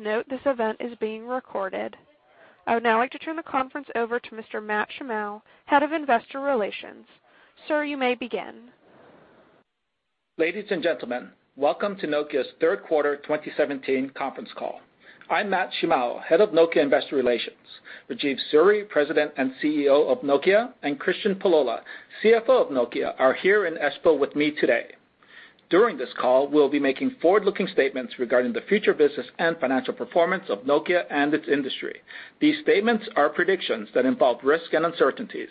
Please note this event is being recorded. I would now like to turn the conference over to Mr. Matt Shimao, Head of Investor Relations. Sir, you may begin. Ladies and gentlemen, welcome to Nokia's third quarter 2017 conference call. I'm Matt Shimao, Head of Nokia Investor Relations. Rajeev Suri, President and CEO of Nokia, and Kristian Pullola, CFO of Nokia, are here in Espoo with me today. During this call, we'll be making forward-looking statements regarding the future business and financial performance of Nokia and its industry. These statements are predictions that involve risks and uncertainties.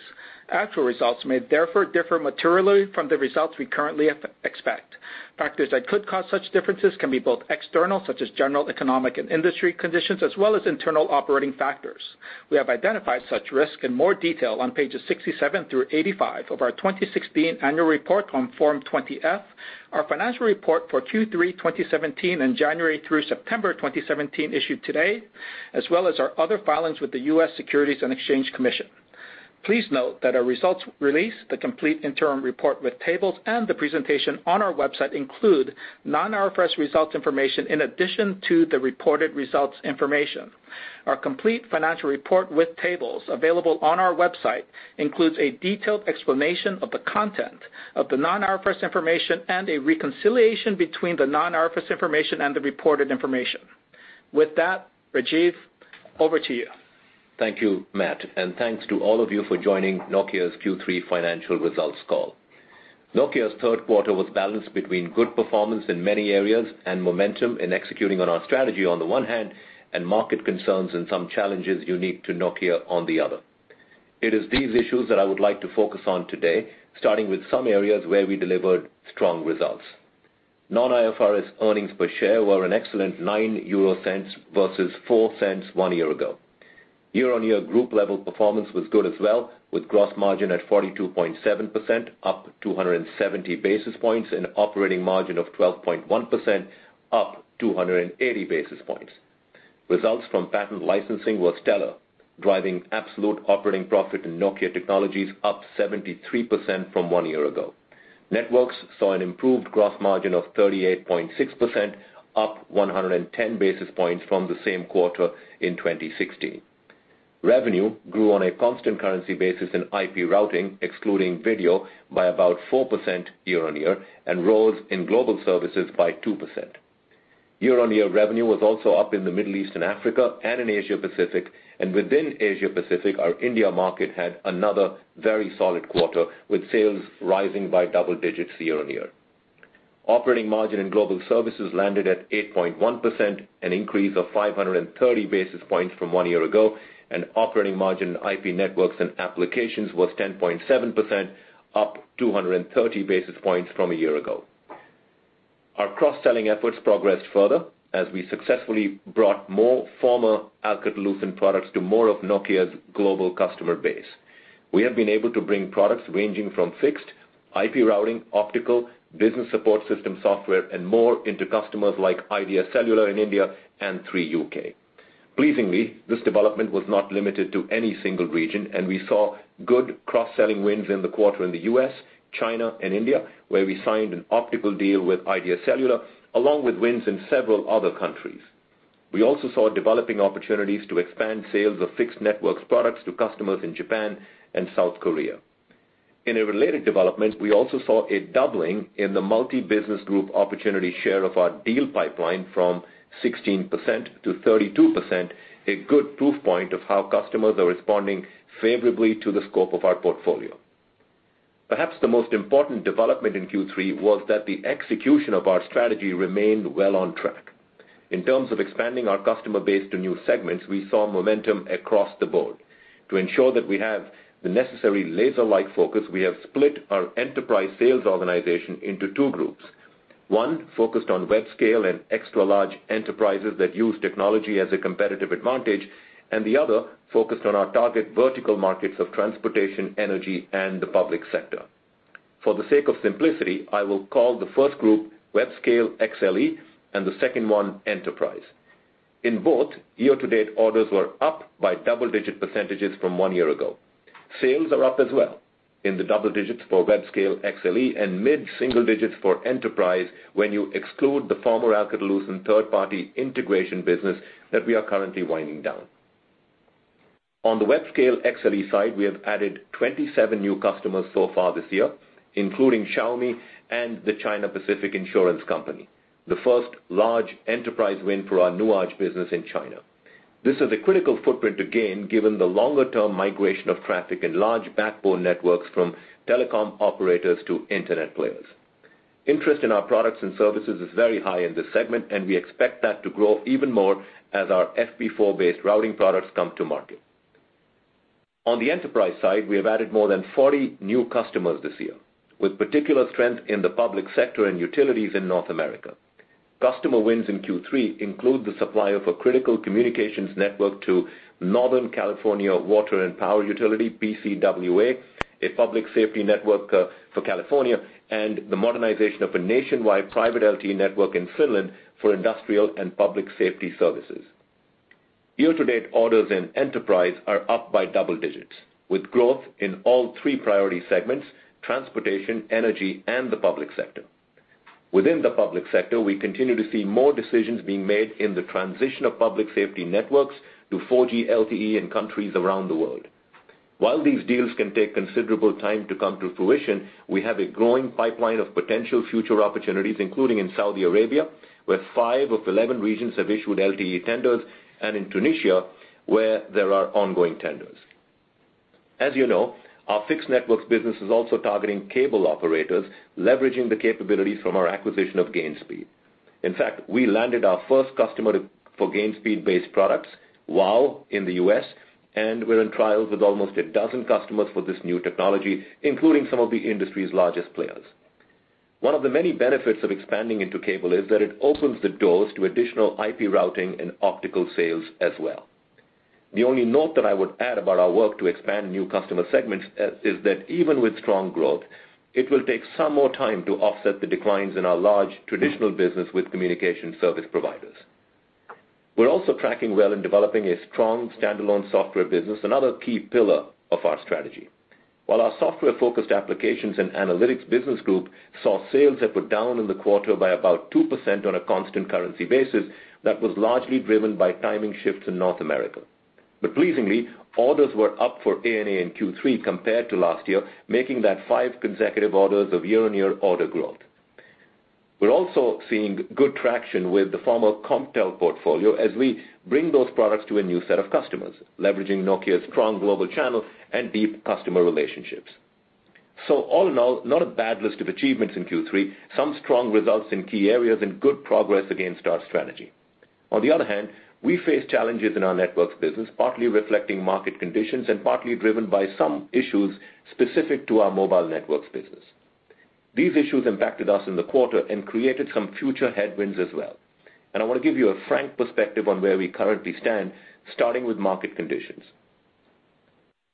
Actual results may therefore differ materially from the results we currently expect. Factors that could cause such differences can be both external, such as general economic and industry conditions, as well as internal operating factors. We have identified such risks in more detail on pages 67 through 85 of our 2016 annual report on Form 20-F, our financial report for Q3 2017, and January through September 2017 issued today, as well as our other filings with the U.S. Securities and Exchange Commission. Please note that our results release, the complete interim report with tables, and the presentation on our website include non-IFRS results information in addition to the reported results information. Our complete financial report with tables available on our website includes a detailed explanation of the content of the non-IFRS information and a reconciliation between the non-IFRS information and the reported information. With that, Rajeev, over to you. Thank you, Matt, thanks to all of you for joining Nokia's Q3 financial results call. Nokia's third quarter was balanced between good performance in many areas and momentum in executing on our strategy on the one hand, and market concerns and some challenges unique to Nokia on the other. It is these issues that I would like to focus on today, starting with some areas where we delivered strong results. Non-IFRS earnings per share were an excellent 0.09 versus 0.04 one year ago. Year-on-year group level performance was good as well, with gross margin at 42.7% up 270 basis points and operating margin of 12.1% up 280 basis points. Results from patent licensing were stellar, driving absolute operating profit in Nokia Technologies up 73% from one year ago. Networks saw an improved gross margin of 38.6%, up 110 basis points from the same quarter in 2016. Revenue grew on a constant currency basis in IP routing, excluding video, by about 4% year-on-year, and rose in global services by 2%. Year-on-year revenue was also up in the Middle East and Africa and in Asia-Pacific. Within Asia-Pacific, our India market had another very solid quarter, with sales rising by double digits year-on-year. Operating margin in global services landed at 8.1%, an increase of 530 basis points from one year ago, and operating margin IP networks and applications was 10.7% up 230 basis points from a year ago. Our cross-selling efforts progressed further as we successfully brought more former Alcatel-Lucent products to more of Nokia's global customer base. We have been able to bring products ranging from fixed IP routing, optical, business support system software, and more into customers like Idea Cellular in India and Three UK. Pleasingly, this development was not limited to any single region, and we saw good cross-selling wins in the quarter in the U.S., China, and India, where we signed an optical deal with Idea Cellular, along with wins in several other countries. We also saw developing opportunities to expand sales of fixed networks products to customers in Japan and South Korea. In a related development, we also saw a doubling in the multi-business group opportunity share of our deal pipeline from 16%-32%, a good proof point of how customers are responding favorably to the scope of our portfolio. Perhaps the most important development in Q3 was that the execution of our strategy remained well on track. In terms of expanding our customer base to new segments, we saw momentum across the board. To ensure that we have the necessary laser-like focus, we have split our enterprise sales organization into two groups. One focused on web-scale and extra-large enterprises that use technology as a competitive advantage, and the other focused on our target vertical markets of transportation, energy, and the public sector. For the sake of simplicity, I will call the first group web-scale XLE and the second one enterprise. In both, year-to-date orders were up by double-digit percentages from one year ago. Sales are up as well in the double digits for web-scale XLE and mid-single digits for enterprise when you exclude the former Alcatel-Lucent third party integration business that we are currently winding down. On the web-scale XLE side, we have added 27 new customers so far this year, including Xiaomi and the China Pacific Insurance Company, the first large enterprise win for our Nuage business in China. This is a critical footprint to gain given the longer-term migration of traffic and large backbone networks from telecom operators to internet players. Interest in our products and services is very high in this segment, and we expect that to grow even more as our FP4-based routing products come to market. On the enterprise side, we have added more than 40 new customers this year, with particular strength in the public sector and utilities in North America. Customer wins in Q3 include the supplier for critical communications network to Northern California Water and Power utility, PCWA, a public safety network for California, and the modernization of a nationwide private LTE network in Finland for industrial and public safety services. Year-to-date orders in Enterprise are up by double digits, with growth in all three priority segments, transportation, energy, and the public sector. Within the public sector, we continue to see more decisions being made in the transition of public safety networks to 4G LTE in countries around the world. While these deals can take considerable time to come to fruition, we have a growing pipeline of potential future opportunities, including in Saudi Arabia, where 5 of 11 regions have issued LTE tenders, and in Tunisia, where there are ongoing tenders. As you know, our fixed networks business is also targeting cable operators, leveraging the capabilities from our acquisition of Gainspeed. In fact, we landed our first customer for Gainspeed-based products, WOW!, in the U.S., and we're in trials with almost a dozen customers for this new technology, including some of the industry's largest players. One of the many benefits of expanding into cable is that it opens the doors to additional IP routing and optical sales as well. The only note that I would add about our work to expand new customer segments is that even with strong growth, it will take some more time to offset the declines in our large traditional business with communication service providers. We're also tracking well in developing a strong standalone software business, another key pillar of our strategy. While our software-focused applications and analytics business group saw sales that were down in the quarter by about 2% on a constant currency basis, that was largely driven by timing shifts in North America. Pleasingly, orders were up for ANA in Q3 compared to last year, making that five consecutive orders of year-on-year order growth. We're also seeing good traction with the former Comptel portfolio as we bring those products to a new set of customers, leveraging Nokia's strong global channel and deep customer relationships. All in all, not a bad list of achievements in Q3, some strong results in key areas and good progress against our strategy. On the other hand, we face challenges in our networks business, partly reflecting market conditions and partly driven by some issues specific to our mobile networks business. These issues impacted us in the quarter and created some future headwinds as well. I want to give you a frank perspective on where we currently stand, starting with market conditions.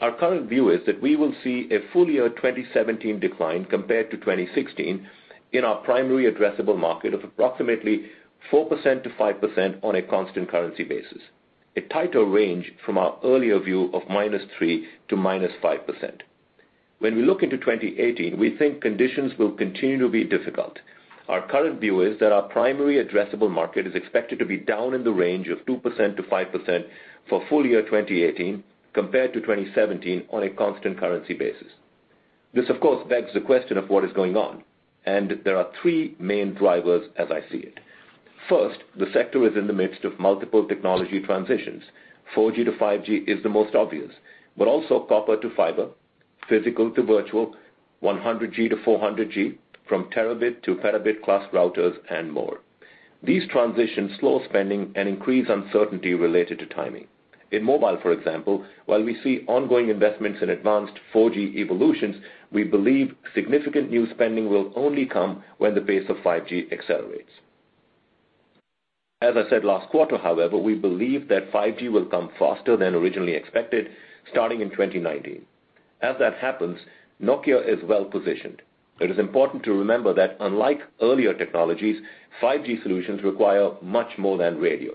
Our current view is that we will see a full-year 2017 decline compared to 2016 in our primarily addressable market of approximately 4%-5% on a constant currency basis, a tighter range from our earlier view of -3% to -5%. When we look into 2018, we think conditions will continue to be difficult. Our current view is that our primarily addressable market is expected to be down in the range of 2%-5% for full-year 2018 compared to 2017 on a constant currency basis. This, of course, begs the question of what is going on, and there are three main drivers as I see it. First, the sector is in the midst of multiple technology transitions. 4G to 5G is the most obvious, but also copper to fiber, physical to virtual, 100G to 400G, from terabit to petabit class routers, and more. These transitions slow spending and increase uncertainty related to timing. In mobile, for example, while we see ongoing investments in advanced 4G evolutions, we believe significant new spending will only come when the pace of 5G accelerates. As I said last quarter, however, we believe that 5G will come faster than originally expected, starting in 2019. As that happens, Nokia is well positioned. It is important to remember that unlike earlier technologies, 5G solutions require much more than radio.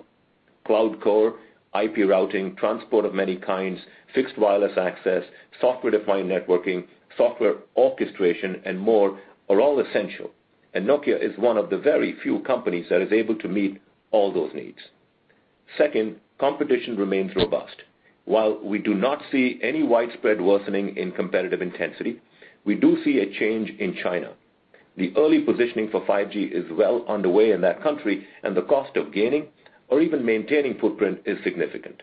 Cloud core, IP routing, transport of many kinds, fixed wireless access, software-defined networking, software orchestration, and more are all essential, and Nokia is one of the very few companies that is able to meet all those needs. Second, competition remains robust. While we do not see any widespread worsening in competitive intensity, we do see a change in China. The early positioning for 5G is well underway in that country, and the cost of gaining or even maintaining footprint is significant.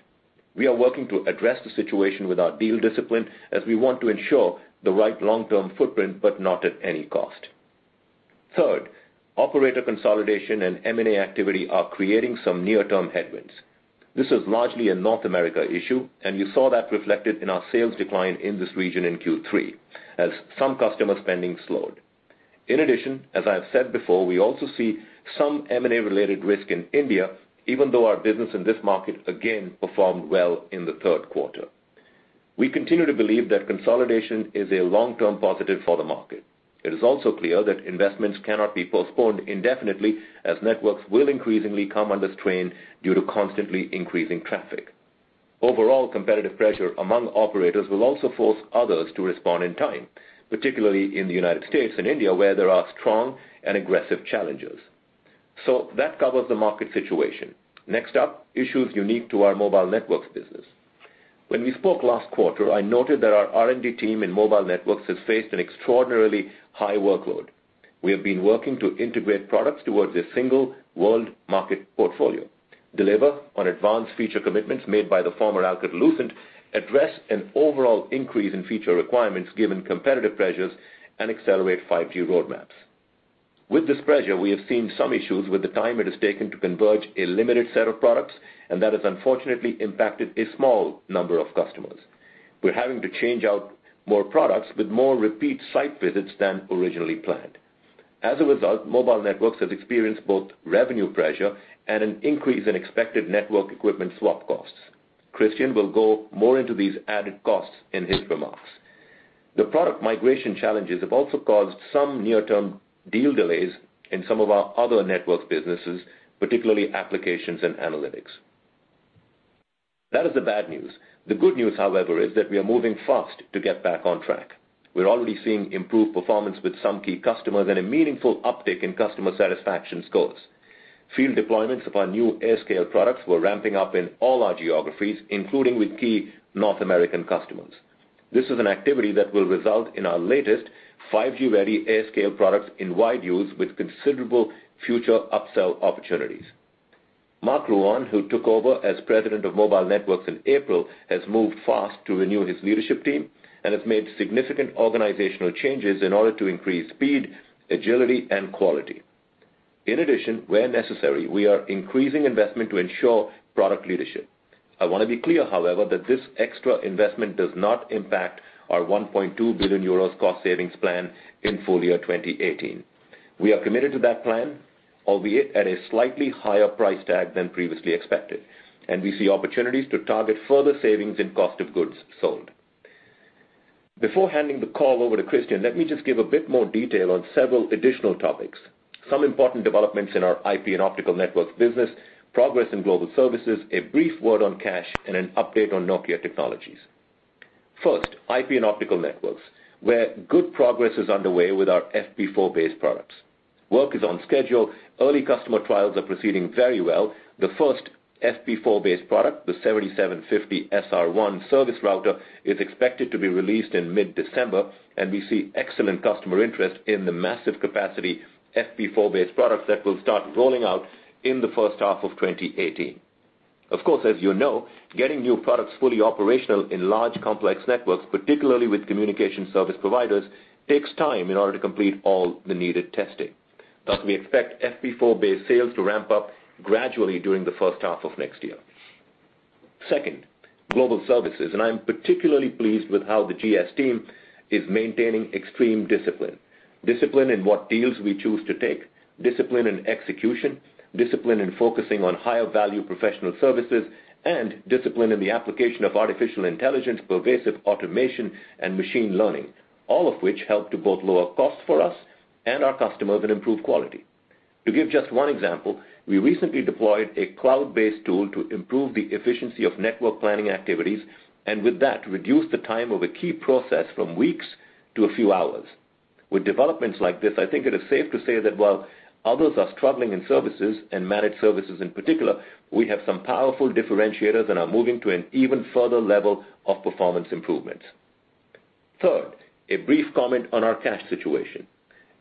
We are working to address the situation with our deal discipline as we want to ensure the right long-term footprint, but not at any cost. Third, operator consolidation and M&A activity are creating some near-term headwinds. This is largely a North America issue, and you saw that reflected in our sales decline in this region in Q3 as some customer spending slowed. In addition, as I have said before, we also see some M&A-related risk in India, even though our business in this market again performed well in the third quarter. We continue to believe that consolidation is a long-term positive for the market. It is also clear that investments cannot be postponed indefinitely, as networks will increasingly come under strain due to constantly increasing traffic. Overall competitive pressure among operators will also force others to respond in time, particularly in the United States and India, where there are strong and aggressive challengers. That covers the market situation. Next up, issues unique to our mobile networks business. When we spoke last quarter, I noted that our R&D team in mobile networks has faced an extraordinarily high workload. We have been working to integrate products towards a single world market portfolio, deliver on advanced feature commitments made by the former Alcatel-Lucent, address an overall increase in feature requirements given competitive pressures, and accelerate 5G roadmaps. With this pressure, we have seen some issues with the time it has taken to converge a limited set of products, and that has unfortunately impacted a small number of customers. We're having to change out more products with more repeat site visits than originally planned. As a result, mobile networks have experienced both revenue pressure and an increase in expected network equipment swap costs. Kristian will go more into these added costs in his remarks. The product migration challenges have also caused some near-term deal delays in some of our other networks businesses, particularly applications and analytics. That is the bad news. The good news, however, is that we are moving fast to get back on track. We're already seeing improved performance with some key customers and a meaningful uptick in customer satisfaction scores. Field deployments of our new AirScale products were ramping up in all our geographies, including with key North American customers. This is an activity that will result in our latest 5G-ready AirScale products in wide use with considerable future upsell opportunities. Marc Rouanne, who took over as President of Mobile Networks in April, has moved fast to renew his leadership team and has made significant organizational changes in order to increase speed, agility, and quality. In addition, where necessary, we are increasing investment to ensure product leadership. I want to be clear, however, that this extra investment does not impact our 1.2 billion euros cost savings plan in full-year 2018. We are committed to that plan, albeit at a slightly higher price tag than previously expected, and we see opportunities to target further savings in cost of goods sold. Before handing the call over to Kristian, let me just give a bit more detail on several additional topics. Some important developments in our IP and optical networks business, progress in global services, a brief word on cash, and an update on Nokia Technologies. First, IP and optical networks, where good progress is underway with our FP4-based products. Work is on schedule. Early customer trials are proceeding very well. The first FP4-based product, the 7750 SR-1 service router, is expected to be released in mid-December, and we see excellent customer interest in the massive capacity FP4-based products that will start rolling out in the first half of 2018. Of course, as you know, getting new products fully operational in large, complex networks, particularly with communication service providers, takes time in order to complete all the needed testing. Thus, we expect FP4-based sales to ramp up gradually during the first half of next year. Second, global services, and I'm particularly pleased with how the GS team is maintaining extreme discipline. Discipline in what deals we choose to take, discipline in execution, discipline in focusing on higher value professional services, and discipline in the application of artificial intelligence, pervasive automation, and machine learning, all of which help to both lower costs for us and our customers and improve quality. To give just one example, we recently deployed a cloud-based tool to improve the efficiency of network planning activities, and with that, reduced the time of a key process from weeks to a few hours. With developments like this, I think it is safe to say that while others are struggling in services, and managed services in particular, we have some powerful differentiators and are moving to an even further level of performance improvements. Third, a brief comment on our cash situation.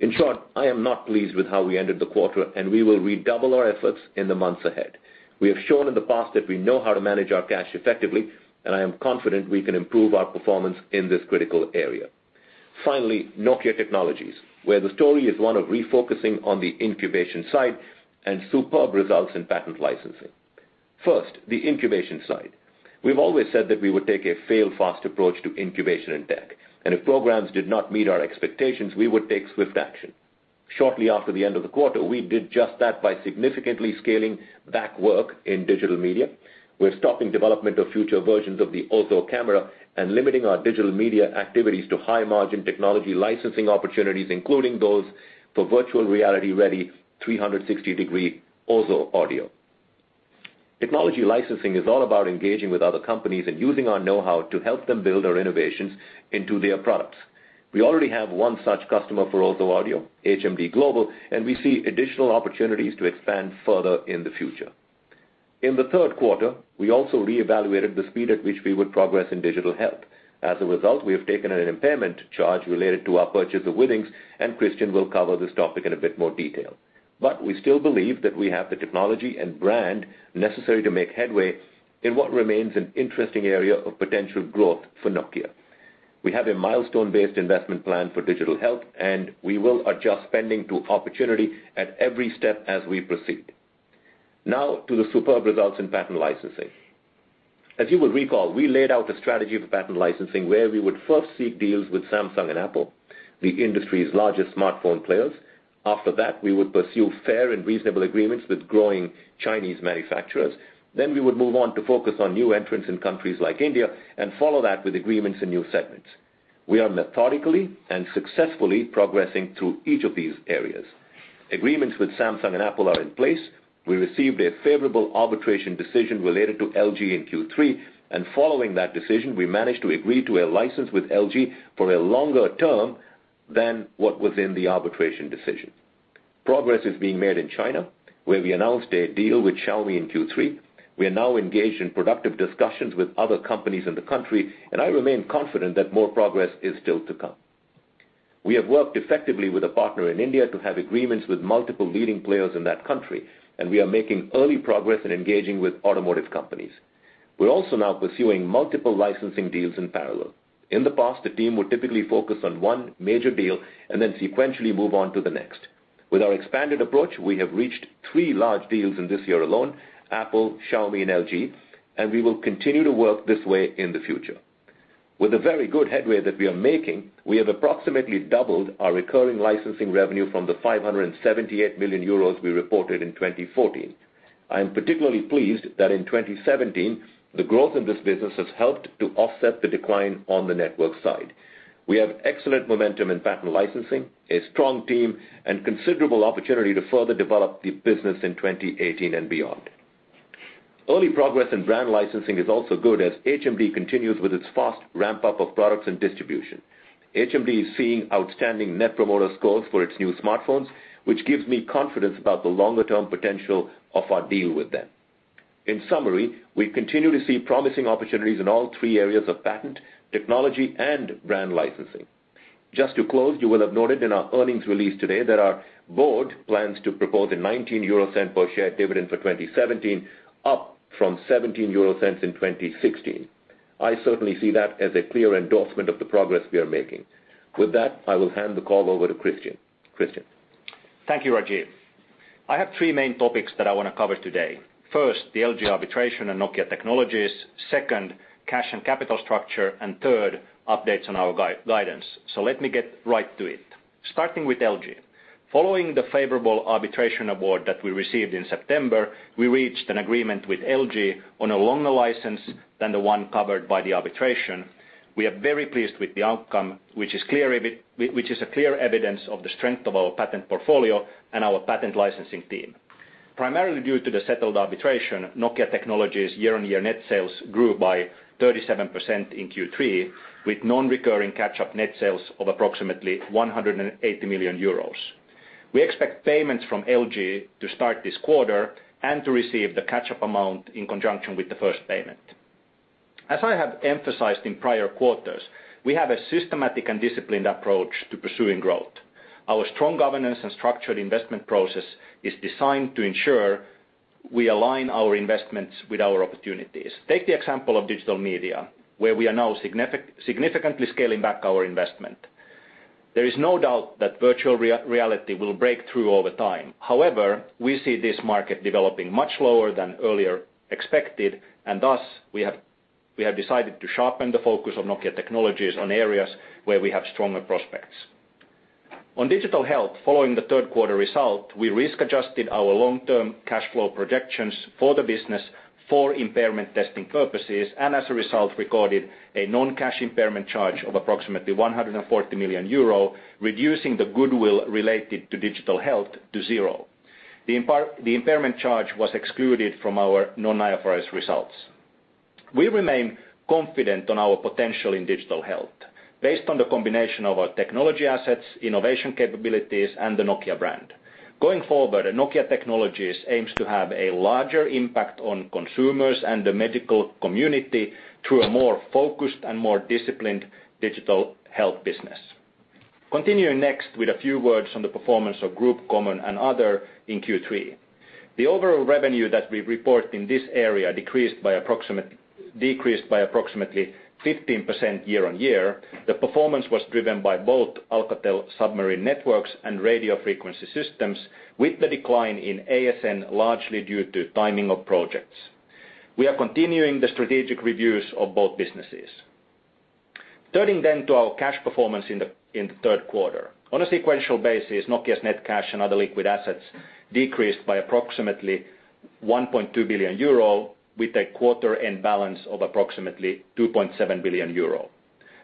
In short, I am not pleased with how we ended the quarter, and we will redouble our efforts in the months ahead. We have shown in the past that we know how to manage our cash effectively, and I am confident we can improve our performance in this critical area. Finally, Nokia Technologies, where the story is one of refocusing on the incubation side and superb results in patent licensing. First, the incubation side. We've always said that we would take a fail-fast approach to incubation and tech, and if programs did not meet our expectations, we would take swift action. Shortly after the end of the quarter, we did just that by significantly scaling back work in digital media. We're stopping development of future versions of the OZO Camera and limiting our digital media activities to high-margin technology licensing opportunities, including those for virtual reality-ready 360-degree OZO Audio. Technology licensing is all about engaging with other companies and using our know-how to help them build our innovations into their products. We already have one such customer for OZO Audio, HMD Global, and we see additional opportunities to expand further in the future. In the third quarter, we also reevaluated the speed at which we would progress in digital health. As a result, we have taken an impairment charge related to our purchase of Withings. Kristian will cover this topic in a bit more detail. We still believe that we have the technology and brand necessary to make headway in what remains an interesting area of potential growth for Nokia. We have a milestone-based investment plan for digital health, and we will adjust spending to opportunity at every step as we proceed. To the superb results in patent licensing. You will recall, we laid out a strategy for patent licensing where we would first seek deals with Samsung and Apple, the industry's largest smartphone players. After that, we would pursue fair and reasonable agreements with growing Chinese manufacturers. We would move on to focus on new entrants in countries like India and follow that with agreements in new segments. We are methodically and successfully progressing through each of these areas. Agreements with Samsung and Apple are in place. We received a favorable arbitration decision related to LG in Q3. Following that decision, we managed to agree to a license with LG for a longer term than what was in the arbitration decision. Progress is being made in China, where we announced a deal with Xiaomi in Q3. We are now engaged in productive discussions with other companies in the country. I remain confident that more progress is still to come. We have worked effectively with a partner in India to have agreements with multiple leading players in that country. We are making early progress in engaging with automotive companies. We're also now pursuing multiple licensing deals in parallel. In the past, the team would typically focus on one major deal. Then sequentially move on to the next. With our expanded approach, we have reached three large deals in this year alone, Apple, Xiaomi, and LG. We will continue to work this way in the future. With the very good headway that we are making, we have approximately doubled our recurring licensing revenue from the 578 million euros we reported in 2014. I am particularly pleased that in 2017, the growth of this business has helped to offset the decline on the network side. We have excellent momentum in patent licensing, a strong team. Considerable opportunity to further develop the business in 2018 and beyond. Early progress in brand licensing is also good as HMD continues with its fast ramp-up of products and distribution. HMD is seeing outstanding net promoter scores for its new smartphones, which gives me confidence about the longer-term potential of our deal with them. In summary, we continue to see promising opportunities in all three areas of patent, technology, and brand licensing. To close, you will have noted in our earnings release today that our board plans to propose a 0.19 per share dividend for 2017, up from 0.17 in 2016. I certainly see that as a clear endorsement of the progress we are making. With that, I will hand the call over to Kristian. Kristian? Thank you, Rajeev. I have three main topics that I want to cover today. First, the LG arbitration and Nokia Technologies. Second, cash and capital structure. And third, updates on our guidance. Let me get right to it. Starting with LG. Following the favorable arbitration award that we received in September, we reached an agreement with LG on a longer license than the one covered by the arbitration. We are very pleased with the outcome, which is a clear evidence of the strength of our patent portfolio and our patent licensing team. Primarily due to the settled arbitration, Nokia Technologies year-on-year net sales grew by 37% in Q3, with non-recurring catch-up net sales of approximately 180 million euros. We expect payments from LG to start this quarter and to receive the catch-up amount in conjunction with the first payment. As I have emphasized in prior quarters, we have a systematic and disciplined approach to pursuing growth. Our strong governance and structured investment process is designed to ensure we align our investments with our opportunities. Take the example of digital media, where we are now significantly scaling back our investment. There is no doubt that virtual reality will break through over time. However, we see this market developing much slower than earlier expected, and thus, we have decided to sharpen the focus of Nokia Technologies on areas where we have stronger prospects. On digital health, following the third quarter result, we risk-adjusted our long-term cash flow projections for the business for impairment testing purposes, and as a result, recorded a non-cash impairment charge of approximately 140 million euro, reducing the goodwill related to digital health to zero. The impairment charge was excluded from our non-IFRS results. We remain confident on our potential in digital health based on the combination of our technology assets, innovation capabilities, and the Nokia brand. Going forward, Nokia Technologies aims to have a larger impact on consumers and the medical community through a more focused and more disciplined digital health business. Continuing next with a few words on the performance of Group Common and Other in Q3. The overall revenue that we report in this area decreased by approximately 15% year-on-year. The performance was driven by both Alcatel Submarine Networks and Radio Frequency Systems, with the decline in ASN largely due to timing of projects. We are continuing the strategic reviews of both businesses. Turning to our cash performance in the third quarter. On a sequential basis, Nokia's net cash and other liquid assets decreased by approximately 1.2 billion euro with a quarter end balance of approximately 2.7 billion euro.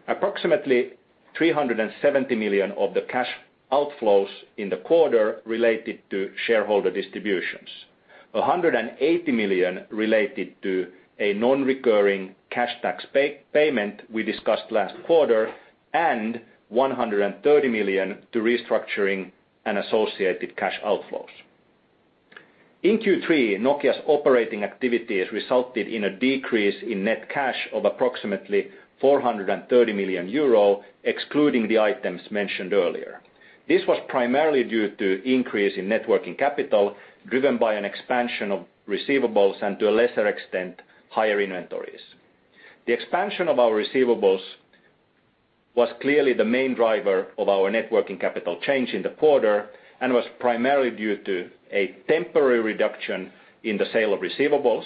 Approximately 370 million of the cash outflows in the quarter related to shareholder distributions. 180 million related to a non-recurring cash tax payment we discussed last quarter, and 130 million to restructuring and associated cash outflows. In Q3, Nokia's operating activities resulted in a decrease in net cash of approximately 430 million euro, excluding the items mentioned earlier. This was primarily due to increase in net working capital driven by an expansion of receivables and, to a lesser extent, higher inventories. The expansion of our receivables was clearly the main driver of our net working capital change in the quarter and was primarily due to a temporary reduction in the sale of receivables,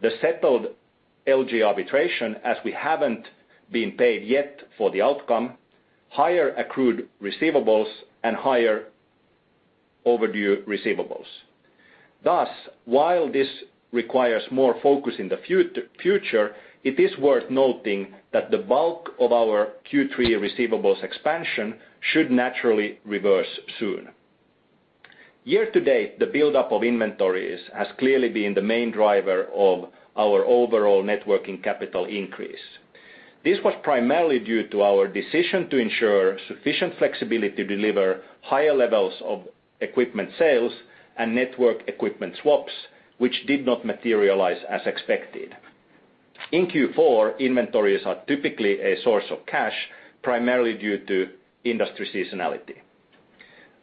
the settled LG arbitration as we haven't been paid yet for the outcome, higher accrued receivables, and higher overdue receivables. While this requires more focus in the future, it is worth noting that the bulk of our Q3 receivables expansion should naturally reverse soon. Year to date, the buildup of inventories has clearly been the main driver of our overall net working capital increase. This was primarily due to our decision to ensure sufficient flexibility to deliver higher levels of equipment sales and network equipment swaps, which did not materialize as expected. In Q4, inventories are typically a source of cash, primarily due to industry seasonality.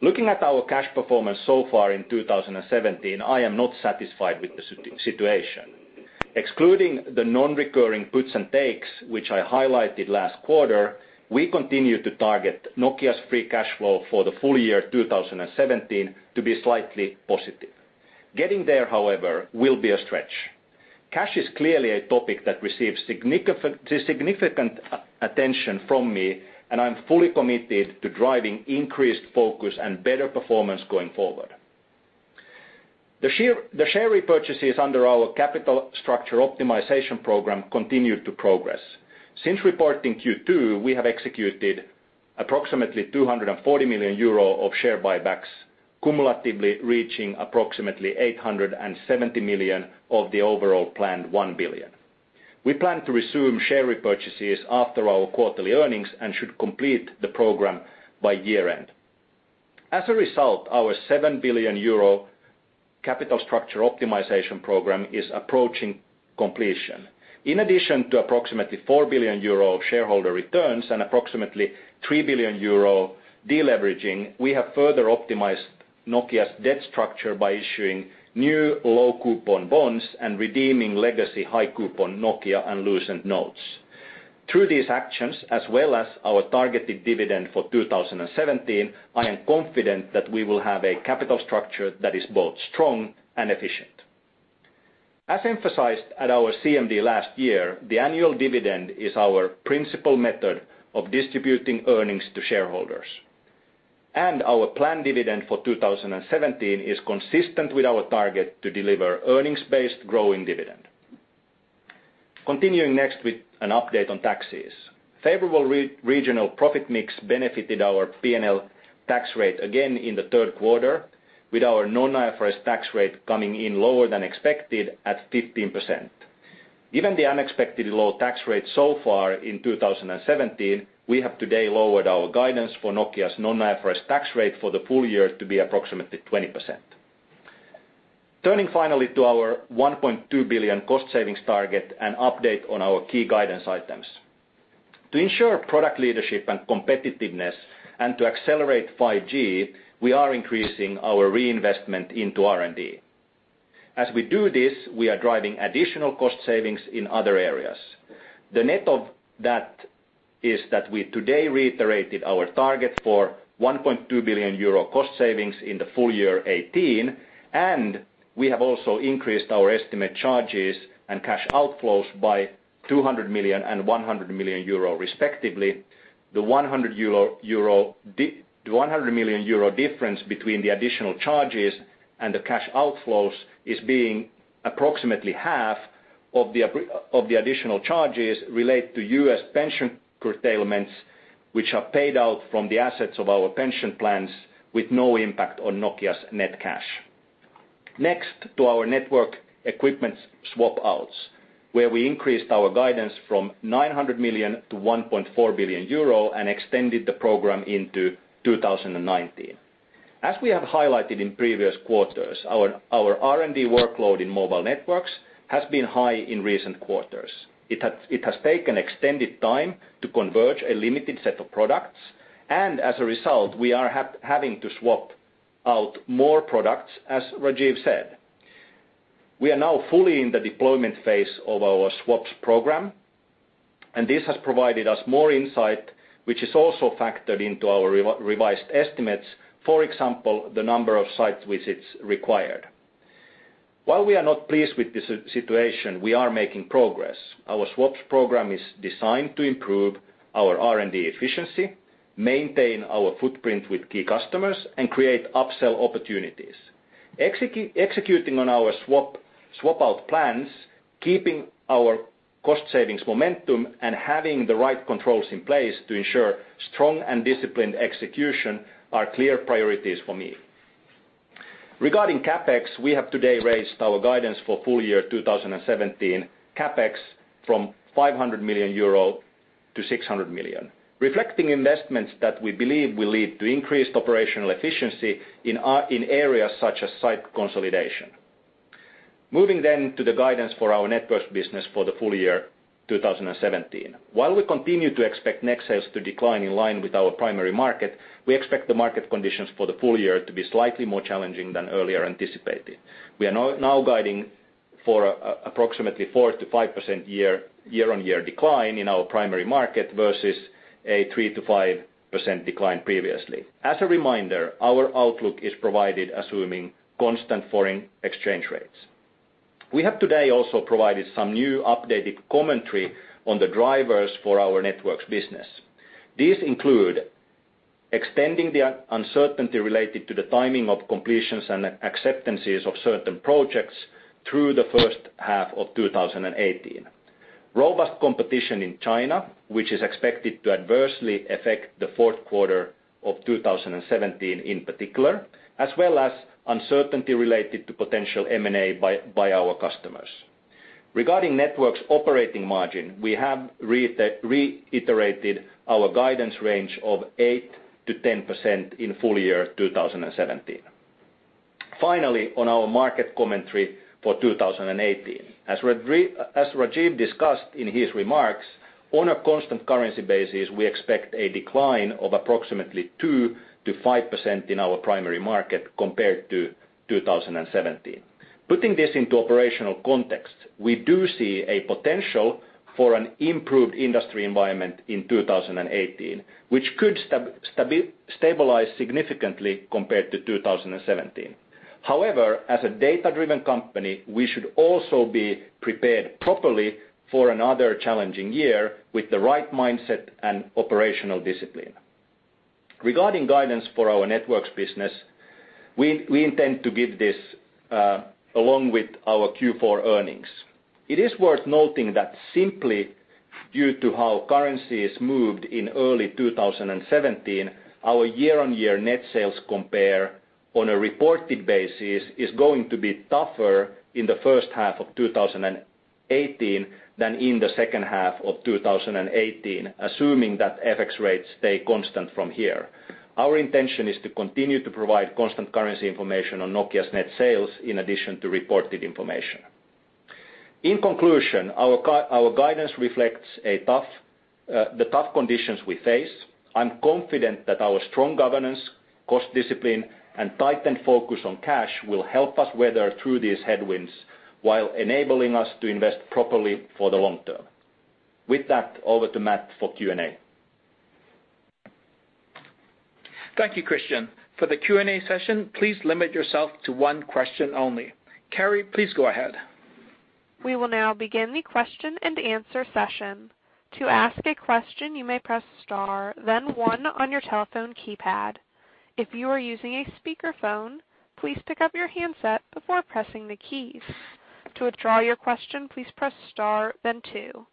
Looking at our cash performance so far in 2017, I am not satisfied with the situation. Excluding the non-recurring puts and takes, which I highlighted last quarter, we continue to target Nokia's free cash flow for the full year 2017 to be slightly positive. Getting there, however, will be a stretch. Cash is clearly a topic that receives significant attention from me, and I'm fully committed to driving increased focus and better performance going forward. The share repurchases under our capital structure optimization program continued to progress. Since reporting Q2, we have executed approximately 240 million euro of share buybacks, cumulatively reaching approximately 870 million of the overall planned 1 billion. We plan to resume share repurchases after our quarterly earnings and should complete the program by year-end. Our 7 billion euro capital structure optimization program is approaching completion. In addition to approximately 4 billion euro shareholder returns and approximately 3 billion euro de-leveraging, we have further optimized Nokia's debt structure by issuing new low-coupon bonds and redeeming legacy high-coupon Nokia and Lucent notes. Through these actions, as well as our targeted dividend for 2017, I am confident that we will have a capital structure that is both strong and efficient. As emphasized at our CMD last year, the annual dividend is our principal method of distributing earnings to shareholders. Our planned dividend for 2017 is consistent with our target to deliver earnings-based growing dividend. Continuing next with an update on taxes. Favorable regional profit mix benefited our P&L tax rate again in the third quarter, with our non-IFRS tax rate coming in lower than expected at 15%. Given the unexpectedly low tax rate so far in 2017, we have today lowered our guidance for Nokia's non-IFRS tax rate for the full year to be approximately 20%. Turning finally to our 1.2 billion cost savings target and update on our key guidance items. To ensure product leadership and competitiveness and to accelerate 5G, we are increasing our reinvestment into R&D. As we do this, we are driving additional cost savings in other areas. The net of that is that we today reiterated our target for 1.2 billion euro cost savings in the full year 2018. We have also increased our estimate charges and cash outflows by 200 million and 100 million euro respectively. The 100 million euro difference between the additional charges and the cash outflows is being approximately half of the additional charges relate to U.S. pension curtailments, which are paid out from the assets of our pension plans with no impact on Nokia's net cash. Next to our network equipment swap outs, where we increased our guidance from 900 million to 1.4 billion euro and extended the program into 2019. As we have highlighted in previous quarters, our R&D workload in mobile networks has been high in recent quarters. It has taken extended time to converge a limited set of products, and as a result, we are having to swap out more products, as Rajeev said. We are now fully in the deployment phase of our swaps program, and this has provided us more insight, which is also factored into our revised estimates, for example, the number of site visits required. While we are not pleased with this situation, we are making progress. Our swaps program is designed to improve our R&D efficiency, maintain our footprint with key customers, and create upsell opportunities. Executing on our swap-out plans, keeping our cost savings momentum, and having the right controls in place to ensure strong and disciplined execution are clear priorities for me. Regarding CapEx, we have today raised our guidance for full year 2017 CapEx from 500 million euro to 600 million, reflecting investments that we believe will lead to increased operational efficiency in areas such as site consolidation. Moving to the guidance for our networks business for the full year 2017. While we continue to expect net sales to decline in line with our primary market, we expect the market conditions for the full year to be slightly more challenging than earlier anticipated. We are now guiding for approximately 4%-5% year-on-year decline in our primary market versus a 3%-5% decline previously. As a reminder, our outlook is provided assuming constant foreign exchange rates. We have today also provided some new updated commentary on the drivers for our networks business. These include extending the uncertainty related to the timing of completions and acceptances of certain projects through the first half of 2018. Robust competition in China, which is expected to adversely affect the fourth quarter of 2017 in particular, as well as uncertainty related to potential M&A by our customers. Regarding networks operating margin, we have reiterated our guidance range of 8%-10% in full year 2017. Finally, on our market commentary for 2018. As Rajeev discussed in his remarks, on a constant currency basis, we expect a decline of approximately 2%-5% in our primary market compared to 2017. Putting this into operational context, we do see a potential for an improved industry environment in 2018, which could stabilize significantly compared to 2017. As a data-driven company, we should also be prepared properly for another challenging year with the right mindset and operational discipline. Regarding guidance for our networks business, we intend to give this along with our Q4 earnings. It is worth noting that simply due to how currency has moved in early 2017, our year-on-year net sales compare on a reported basis is going to be tougher in the first half of 2018 than in the second half of 2018, assuming that FX rates stay constant from here. Our intention is to continue to provide constant currency information on Nokia's net sales in addition to reported information. In conclusion, our guidance reflects the tough conditions we face. I'm confident that our strong governance, cost discipline, and tightened focus on cash will help us weather through these headwinds while enabling us to invest properly for the long term. With that, over to Matt for Q&A. Thank you, Kristian. For the Q&A session, please limit yourself to one question only. Carrie, please go ahead. We will now begin the question and answer session. To ask a question, you may press star then one on your telephone keypad. If you are using a speakerphone, please pick up your handset before pressing the keys. To withdraw your question, please press star then two.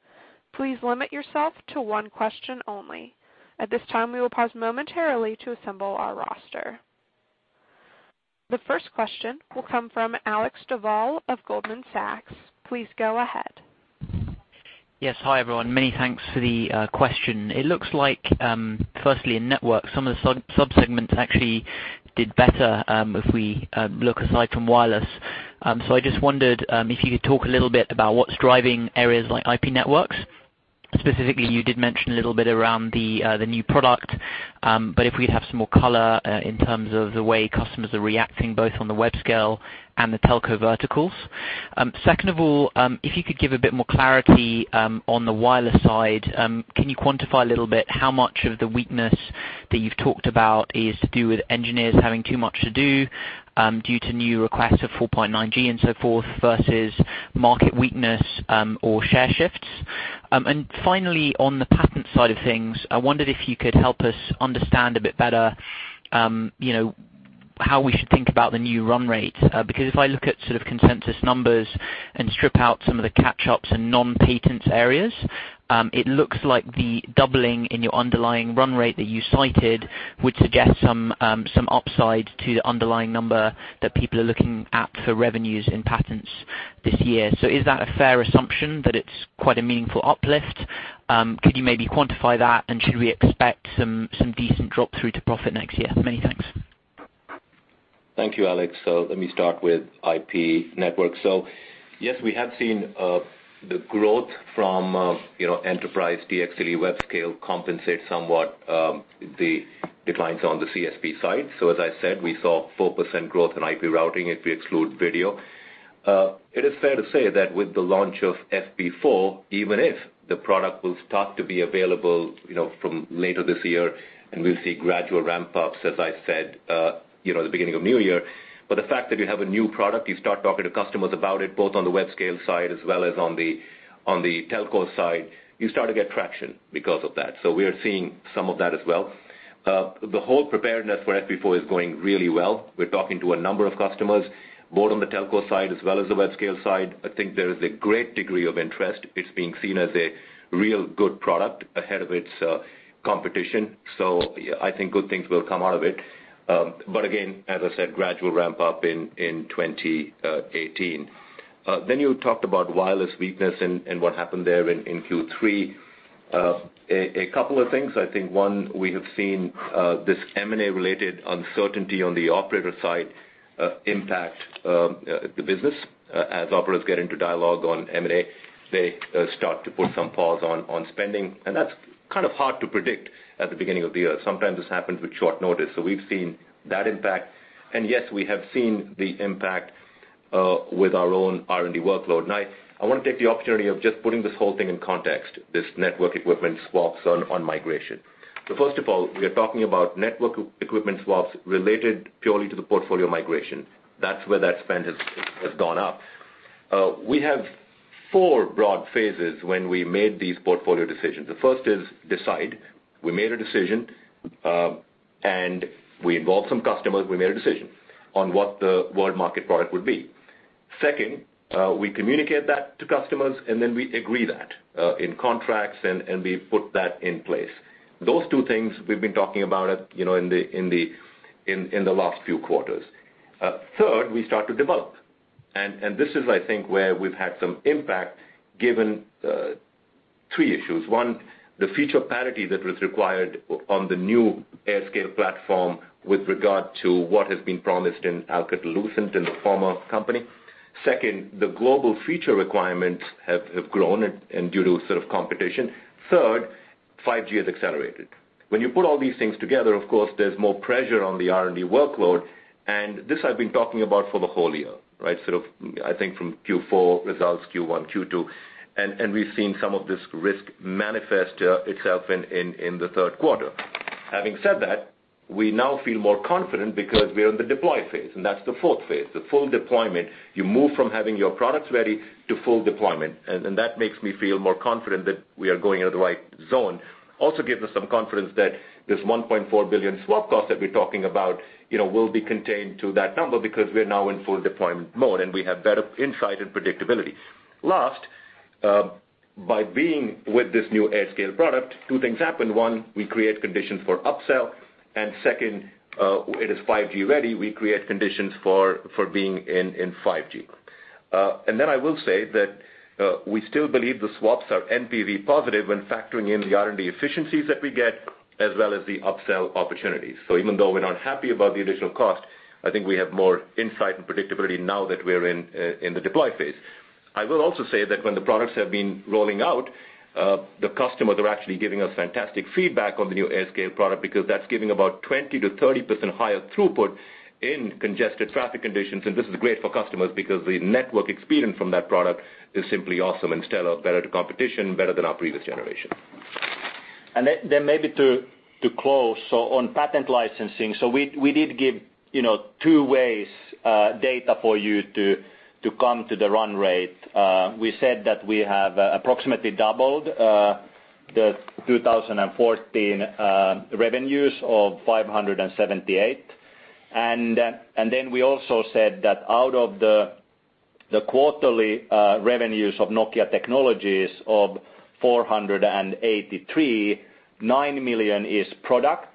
Please limit yourself to one question only. At this time, we will pause momentarily to assemble our roster. The first question will come from Alexander Duval of Goldman Sachs. Please go ahead. Yes. Hi, everyone. Many thanks for the question. It looks like, firstly in networks, some of the sub-segments actually did better if we look aside from wireless. I just wondered if you could talk a little bit about what's driving areas like IP networks. Specifically, you did mention a little bit around the new product, but if we'd have some more color in terms of the way customers are reacting, both on the web-scale and the telco verticals. Second of all, if you could give a bit more clarity on the wireless side. Can you quantify a little bit how much of the weakness that you've talked about is to do with engineers having too much to do due to new requests of 4.9G and so forth versus market weakness or share shifts? Finally, on the patent side of things, I wondered if you could help us understand a bit better how we should think about the new run rate. Because if I look at sort of consensus numbers and strip out some of the catch-ups in non-patents areas, it looks like the doubling in your underlying run rate that you cited would suggest some upside to the underlying number that people are looking at for revenues in patents this year. Is that a fair assumption, that it's quite a meaningful uplift? Could you maybe quantify that, and should we expect some decent drop through to profit next year? Many thanks. Thank you, Alex. Let me start with IP networks. Yes, we have seen the growth from enterprise DXC web-scale compensate somewhat the declines on the CSP side. As I said, we saw 4% growth in IP routing if we exclude video. It is fair to say that with the launch of FP4, even if the product will start to be available from later this year and we will see gradual ramp-ups, as I said, the beginning of new year. The fact that you have a new product, you start talking to customers about it, both on the web-scale side as well as on the telco side, you start to get traction because of that. We are seeing some of that as well. The whole preparedness for FP4 is going really well. We are talking to a number of customers, both on the telco side as well as the web-scale side. I think there is a great degree of interest. It is being seen as a real good product ahead of its competition. I think good things will come out of it. Again, as I said, gradual ramp-up in 2018. You talked about wireless weakness and what happened there in Q3. A couple of things. I think one, we have seen this M&A related uncertainty on the operator side impact the business. As operators get into dialogue on M&A, they start to put some pause on spending, and that is kind of hard to predict at the beginning of the year. Sometimes this happens with short notice. We have seen that impact. Yes, we have seen the impact with our own R&D workload. I want to take the opportunity of just putting this whole thing in context, this network equipment swaps on migration. First of all, we are talking about network equipment swaps related purely to the portfolio migration. That is where that spend has gone up. We have 4 broad phases when we made these portfolio decisions. The first is decide. We made a decision, and we involved some customers. We made a decision on what the world market product would be. Second, we communicate that to customers, and then we agree that in contracts, and we put that in place. Those two things we have been talking about in the last few quarters. Third, we start to develop. This is, I think, where we have had some impact given three issues. One, the feature parity that was required on the new AirScale platform with regard to what has been promised in Alcatel-Lucent in the former company. Second, the global feature requirements have grown and due to sort of competition. Third, 5G has accelerated. When you put all these things together, of course, there is more pressure on the R&D workload, and this I have been talking about for the whole year, right? Sort of, I think from Q4 results, Q1, Q2, and we have seen some of this risk manifest itself in the third quarter. Having said that, we now feel more confident because we are in the deploy phase, and that's the fourth phase, the full deployment. You move from having your products ready to full deployment, and that makes me feel more confident that we are going in the right zone. Also gives us some confidence that this 1.4 billion swap cost that we're talking about will be contained to that number, because we're now in full deployment mode, and we have better insight and predictability. Last, by being with this new AirScale product, two things happen. One, we create conditions for upsell, and second, it is 5G ready. We create conditions for being in 5G. I will say that we still believe the swaps are NPV positive when factoring in the R&D efficiencies that we get, as well as the upsell opportunities. Even though we're not happy about the additional cost, I think we have more insight and predictability now that we're in the deploy phase. I will also say that when the products have been rolling out, the customers are actually giving us fantastic feedback on the new AirScale product because that's giving about 20%-30% higher throughput in congested traffic conditions. This is great for customers because the network experience from that product is simply awesome and stellar, better to competition, better than our previous generation. Maybe to close. On patent licensing, we did give two ways, data for you to come to the run rate. We said that we have approximately doubled the 2014 revenues of 578. We also said that out of the quarterly revenues of Nokia Technologies of 483, 9 million is product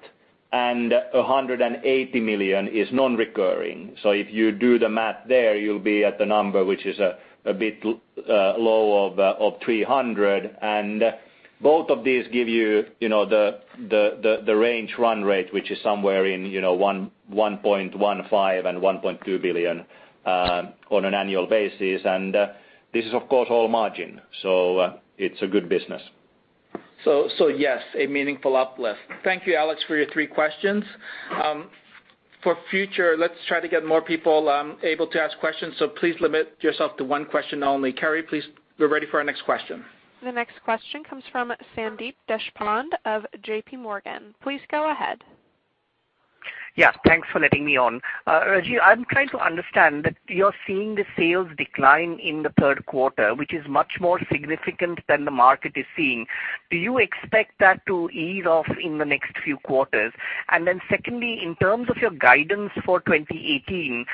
and 180 million is non-recurring. If you do the math there, you'll be at the number, which is a bit low of 300. Both of these give you the range run rate, which is somewhere in 1.15 billion and 1.2 billion on an annual basis. This is, of course, all margin. It's a good business. Yes, a meaningful uplift. Thank you, Alex, for your three questions. For future, let's try to get more people able to ask questions, so please limit yourself to one question only. Carrie, please, we're ready for our next question. The next question comes from Sandeep Deshpande of JP Morgan. Please go ahead. Yeah, thanks for letting me on. Rajeev, I'm trying to understand that you're seeing the sales decline in the third quarter, which is much more significant than the market is seeing. Do you expect that to ease off in the next few quarters? Secondly, in terms of your guidance for 2018,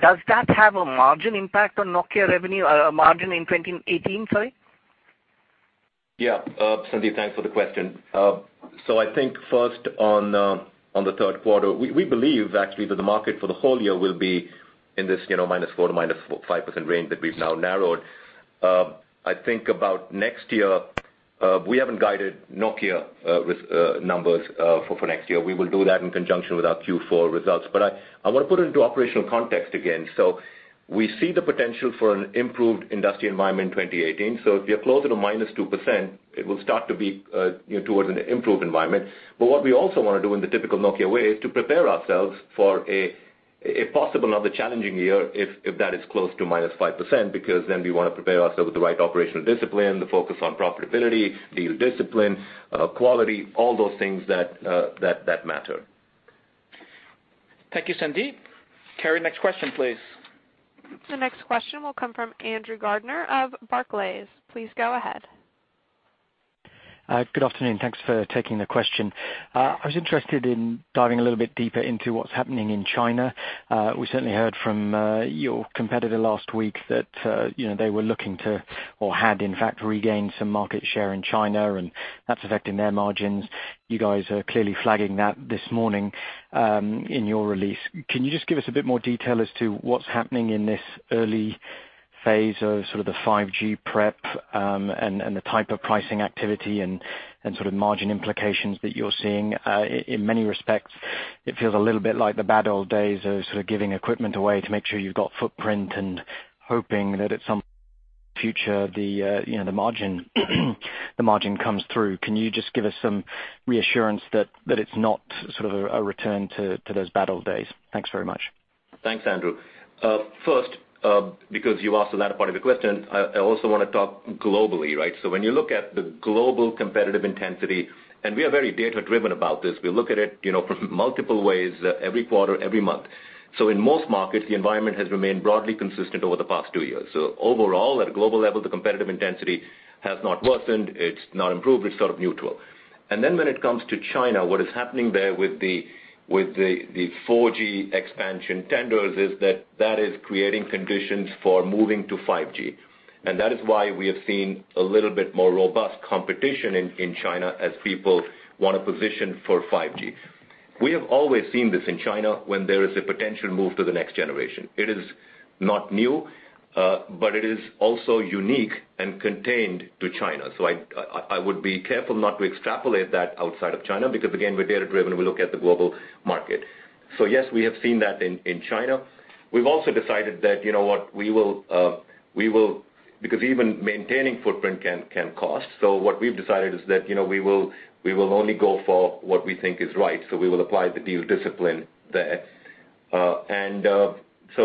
does that have a margin impact on Nokia revenue, margin in 2018? Sorry. Yeah. Sandeep, thanks for the question. I think first on the third quarter, we believe actually that the market for the whole year will be in this -4% to -5% range that we've now narrowed. I think about next year, we haven't guided Nokia with numbers for next year. We will do that in conjunction with our Q4 results. I want to put it into operational context again. We see the potential for an improved industry environment in 2018. If you are closer to -2%, it will start to be towards an improved environment. What we also want to do in the typical Nokia way is to prepare ourselves for a possible another challenging year if that is close to -5%, because then we want to prepare ourselves with the right operational discipline, the focus on profitability, deal discipline, quality, all those things that matter. Thank you, Sandeep. Carrie, next question, please. The next question will come from Andrew Gardiner of Barclays. Please go ahead. Good afternoon. Thanks for taking the question. I was interested in diving a little bit deeper into what's happening in China. We certainly heard from your competitor last week that they were looking to, or had, in fact, regained some market share in China, and that's affecting their margins. You guys are clearly flagging that this morning in your release. Can you just give us a bit more detail as to what's happening in this early phase of sort of the 5G prep, and the type of pricing activity and sort of margin implications that you're seeing? In many respects, it feels a little bit like the bad old days of sort of giving equipment away to make sure you've got footprint and hoping that at some future, the margin comes through. Can you just give us some reassurance that it's not sort of a return to those bad old days? Thanks very much. Thanks, Andrew. First, because you asked the latter part of the question, I also want to talk globally, right? When you look at the global competitive intensity, we are very data-driven about this, we look at it from multiple ways every quarter, every month. In most markets, the environment has remained broadly consistent over the past 2 years. Overall, at a global level, the competitive intensity has not worsened. It's not improved, it's sort of neutral. When it comes to China, what is happening there with the 4G expansion tenders is that that is creating conditions for moving to 5G. That is why we have seen a little bit more robust competition in China as people want to position for 5G. We have always seen this in China when there is a potential move to the next generation. It is not new, it is also unique and contained to China. I would be careful not to extrapolate that outside of China because again, we're data-driven. We look at the global market. Yes, we have seen that in China. We've also decided that, you know what, because even maintaining footprint can cost. What we've decided is that we will only go for what we think is right. We will apply the deal discipline there.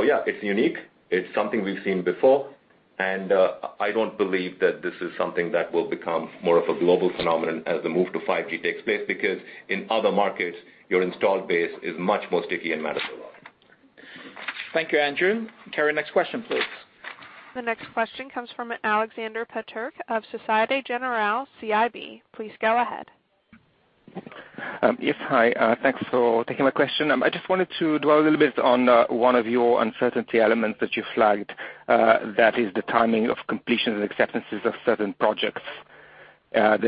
Yeah, it's unique. It's something we've seen before. I don't believe that this is something that will become more of a global phenomenon as the move to 5G takes place, because in other markets, your installed base is much more sticky and manageable. Thank you, Andrew. Carrie, next question, please. The next question comes from Aleksander Peterc of Societe Generale CIB. Please go ahead. Yes, hi. Thanks for taking my question. I just wanted to dwell a little bit on one of your uncertainty elements that you flagged, that is the timing of completions and acceptances of certain projects that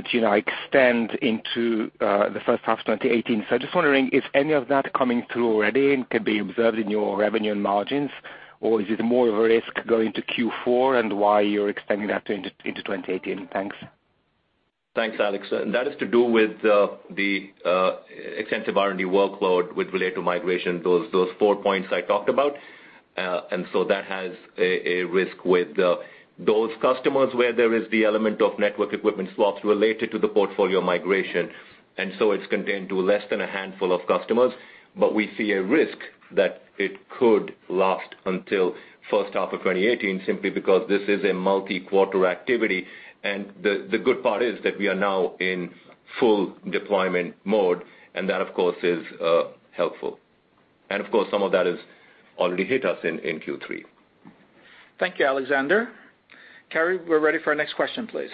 extend into the first half of 2018. I'm just wondering if any of that coming through already and can be observed in your revenue and margins, or is it more of a risk going to Q4 and why you're extending that into 2018? Thanks. Thanks, Alex. That is to do with the extensive R&D workload with related to migration, those four points I talked about. That has a risk with those customers where there is the element of network equipment swaps related to the portfolio migration. It's contained to less than a handful of customers, but we see a risk that it could last until first half of 2018, simply because this is a multi-quarter activity. The good part is that we are now in full deployment mode, and that, of course, is helpful. Of course, some of that has already hit us in Q3. Thank you, Aleksander. Carrie, we're ready for our next question, please.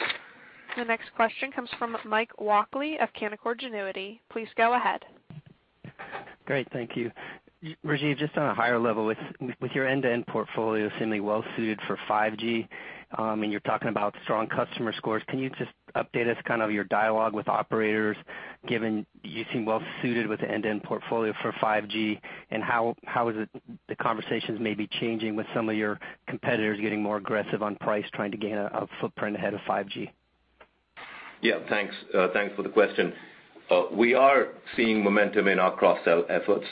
The next question comes from Mike Walkley of Canaccord Genuity. Please go ahead. Great. Thank you. Rajeev, just on a higher level with your end-to-end portfolio seemingly well suited for 5G, and you're talking about strong customer scores. Can you just update us kind of your dialogue with operators, given you seem well suited with end-to-end portfolio for 5G, and how is it the conversations may be changing with some of your competitors getting more aggressive on price trying to gain a footprint ahead of 5G? Thanks for the question. We are seeing momentum in our cross-sell efforts.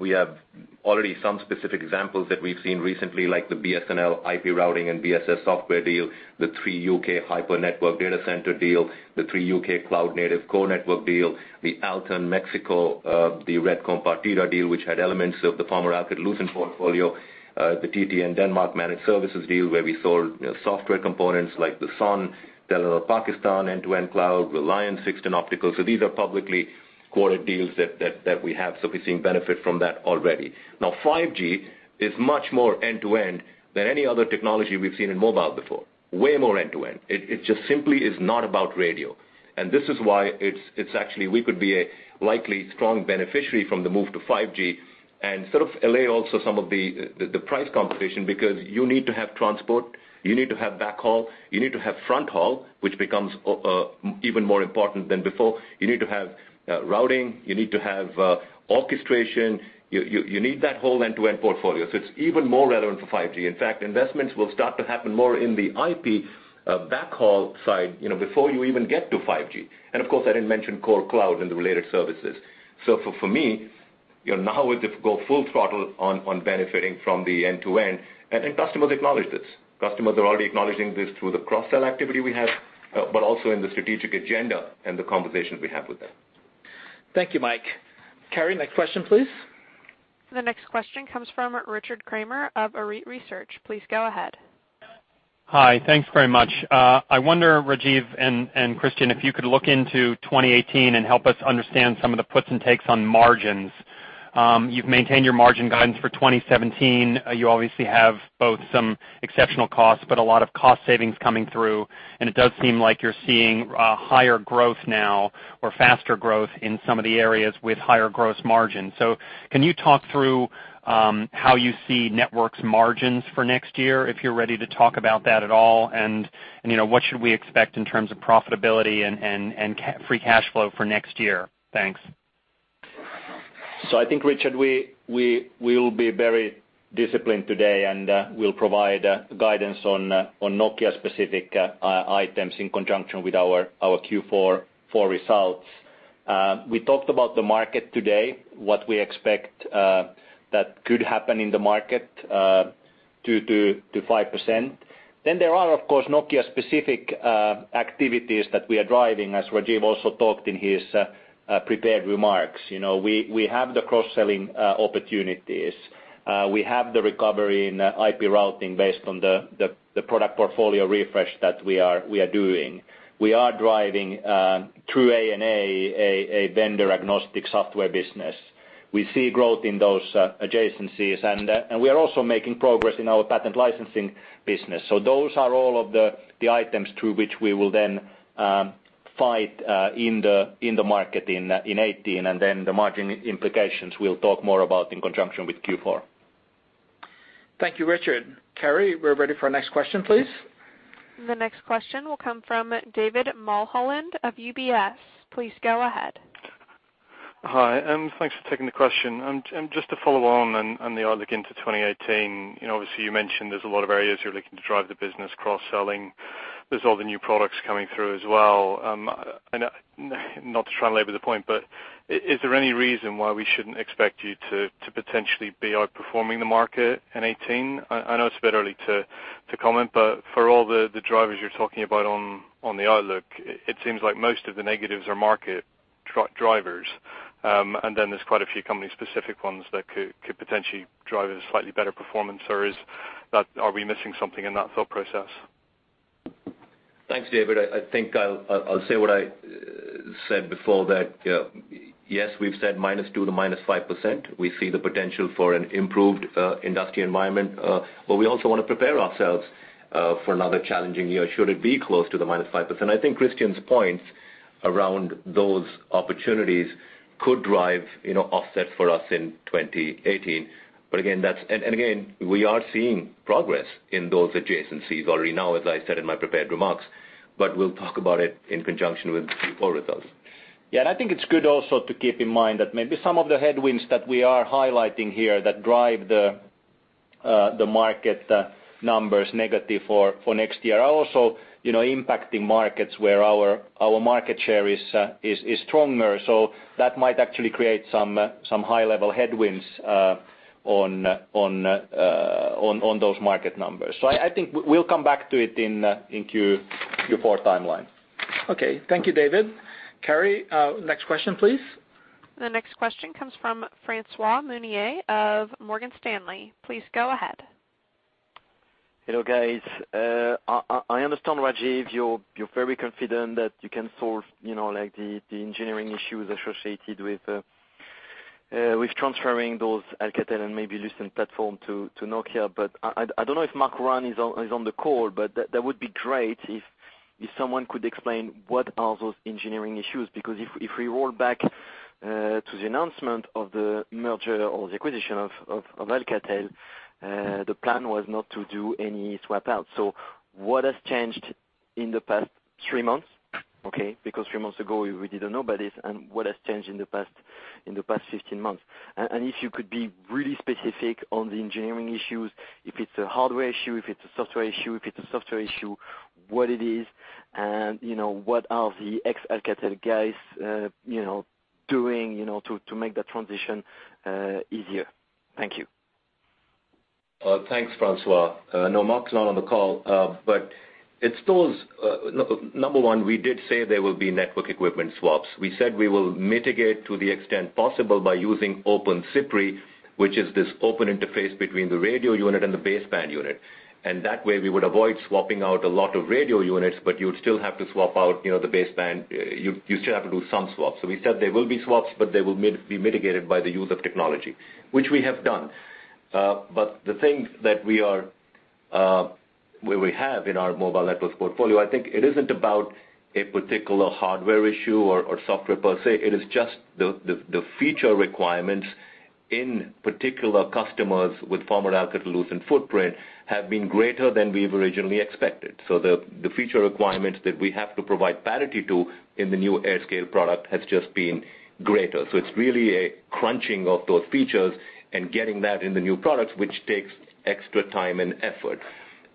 We have already some specific examples that we've seen recently, like the BSNL IP routing and BSS software deal, the Three UK hyper network data center deal, the Three UK cloud native core network deal, the Altán Mexico, the Red Compartida deal, which had elements of the former Alcatel-Lucent portfolio, the TDC and Denmark managed services deal where we sold software components like SDN, Telenor Pakistan end-to-end cloud, Reliance Jio optical. These are publicly quoted deals that we have. We're seeing benefit from that already. 5G is much more end-to-end than any other technology we've seen in mobile before, way more end-to-end. It just simply is not about radio. This is why it's actually we could be a likely strong beneficiary from the move to 5G and sort of allay also some of the price competition because you need to have transport, you need to have backhaul, you need to have fronthaul, which becomes even more important than before. You need to have routing, you need to have orchestration. You need that whole end-to-end portfolio. It's even more relevant for 5G. In fact, investments will start to happen more in the IP backhaul side before you even get to 5G. Of course, I didn't mention core cloud and the related services. For me, you're now able to go full throttle on benefiting from the end-to-end. Customers acknowledge this. Customers are already acknowledging this through the cross-sell activity we have, but also in the strategic agenda and the conversations we have with them. Thank you, Mike. Carrie, next question, please. The next question comes from Richard Kramer of Arete Research. Please go ahead. Hi. Thanks very much. I wonder, Rajeev and Kristian, if you could look into 2018 and help us understand some of the puts and takes on margins. You've maintained your margin guidance for 2017. You obviously have both some exceptional costs, but a lot of cost savings coming through, and it does seem like you're seeing a higher growth now or faster growth in some of the areas with higher gross margin. Can you talk through how you see Networks margins for next year, if you're ready to talk about that at all? What should we expect in terms of profitability and free cash flow for next year? Thanks. I think, Richard, we will be very disciplined today, and we'll provide guidance on Nokia specific items in conjunction with our Q4 results. We talked about the market today, what we expect that could happen in the market 2%-5%. There are, of course, Nokia specific activities that we are driving, as Rajeev also talked in his prepared remarks. We have the cross-selling opportunities. We have the recovery in IP routing based on the product portfolio refresh that we are doing. We are driving through ANA a vendor agnostic software business. We see growth in those adjacencies, and we are also making progress in our patent licensing business. Those are all of the items through which we will then fight in the market in 2018, and the margin implications we'll talk more about in conjunction with Q4. Thank you, Richard. Carrie, we're ready for our next question, please. The next question will come from David Mulholland of UBS. Please go ahead. Hi, thanks for taking the question. Just to follow on the outlook into 2018, obviously you mentioned there's a lot of areas you're looking to drive the business cross-selling. There's all the new products coming through as well. Not to try and labor the point, but is there any reason why we shouldn't expect you to potentially be outperforming the market in 2018? I know it's a bit early to comment, but for all the drivers you're talking about on the outlook, it seems like most of the negatives are market drivers. Then there's quite a few company specific ones that could potentially drive a slightly better performance. Are we missing something in that thought process? Thanks, David. I think I'll say what I said before, that yes, we've said -2% to -5%. We see the potential for an improved industry environment, but we also want to prepare ourselves for another challenging year, should it be close to the -5%. I think Kristian's points around those opportunities could drive offsets for us in 2018. Again, we are seeing progress in those adjacencies already now, as I said in my prepared remarks, but we'll talk about it in conjunction with Q4 results. I think it's good also to keep in mind that maybe some of the headwinds that we are highlighting here that drive the market numbers negative for next year are also impacting markets where our market share is stronger. That might actually create some high level headwinds on those market numbers. I think we'll come back to it in Q4 timeline. Okay. Thank you, David. Carrie, next question, please. The next question comes from François Meunier of Morgan Stanley. Please go ahead. Hello, guys. I understand, Rajeev, you're very confident that you can solve the engineering issues associated with transferring those Alcatel and maybe Lucent platform to Nokia. I don't know if Marc Rouanne is on the call, but that would be great if someone could explain what are those engineering issues, because if we roll back to the announcement of the merger or the acquisition of Alcatel, the plan was not to do any swap out. What has changed in the past three months? Okay. Three months ago, we didn't know about this and what has changed in the past 15 months? If you could be really specific on the engineering issues, if it's a hardware issue, if it's a software issue, if it's a software issue, what it is, and what are the ex-Alcatel guys doing to make that transition easier? Thank you. Thanks, François. No, Marc's not on the call. Number one, we did say there will be network equipment swaps. We said we will mitigate to the extent possible by using OpenCPI, which is this open interface between the radio unit and the baseband unit. That way, we would avoid swapping out a lot of radio units, but you would still have to swap out the baseband. You still have to do some swaps. We said they will be swaps, but they will be mitigated by the use of technology, which we have done. The thing that we have in our mobile network portfolio, I think it isn't about a particular hardware issue or software per se. It is just the feature requirements in particular customers with former Alcatel-Lucent footprint have been greater than we've originally expected. The feature requirements that we have to provide parity to in the new AirScale product has just been greater. It's really a crunching of those features and getting that in the new products, which takes extra time and effort.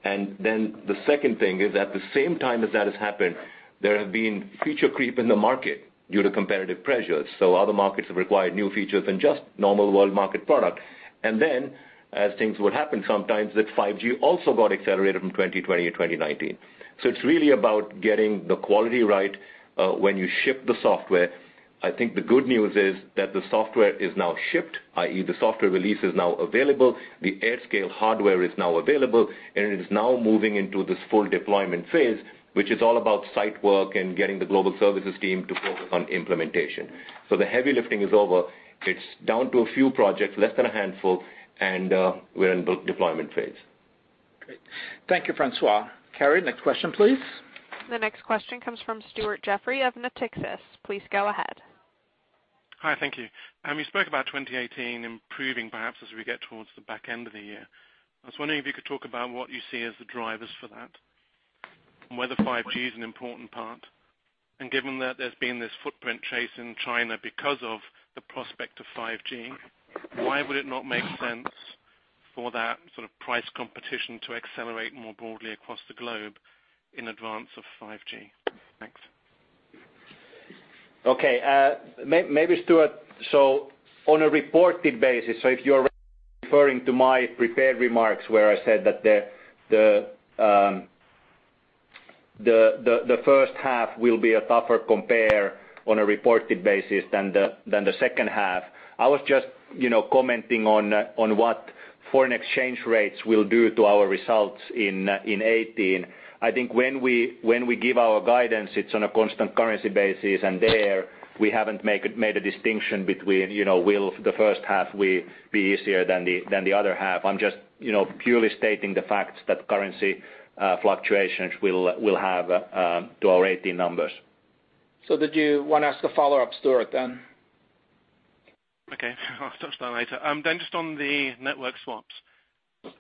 The second thing is at the same time as that has happened, there have been feature creep in the market due to competitive pressures. Other markets have required new features than just normal world market product. As things would happen sometimes that 5G also got accelerated from 2020 to 2019. It's really about getting the quality right when you ship the software. I think the good news is that the software is now shipped, i.e. the software release is now available. The AirScale hardware is now available, and it is now moving into this full deployment phase, which is all about site work and getting the global services team to focus on implementation. The heavy lifting is over. It's down to a few projects, less than a handful, and we're in build deployment phase. Great. Thank you, François. Carrie, next question, please. The next question comes from Stuart Jeffrey of Natixis. Please go ahead. Hi. Thank you. You spoke about 2018 improving perhaps as we get towards the back end of the year. I was wondering if you could talk about what you see as the drivers for that, and whether 5G is an important part. Given that there's been this footprint chase in China because of the prospect of 5G, why would it not make sense for that sort of price competition to accelerate more broadly across the globe in advance of 5G? Thanks. Okay. Maybe Stuart, on a reported basis, if you're referring to my prepared remarks where I said that the first half will be a tougher compare on a reported basis than the second half. I was just commenting on what foreign exchange rates will do to our results in 2018. I think when we give our guidance, it's on a constant currency basis. There we haven't made a distinction between will the first half be easier than the other half. I'm just purely stating the facts that currency fluctuations will have to our 2018 numbers. Did you want to ask a follow-up, Stuart, then? Okay. I'll touch that later. Just on the network swaps.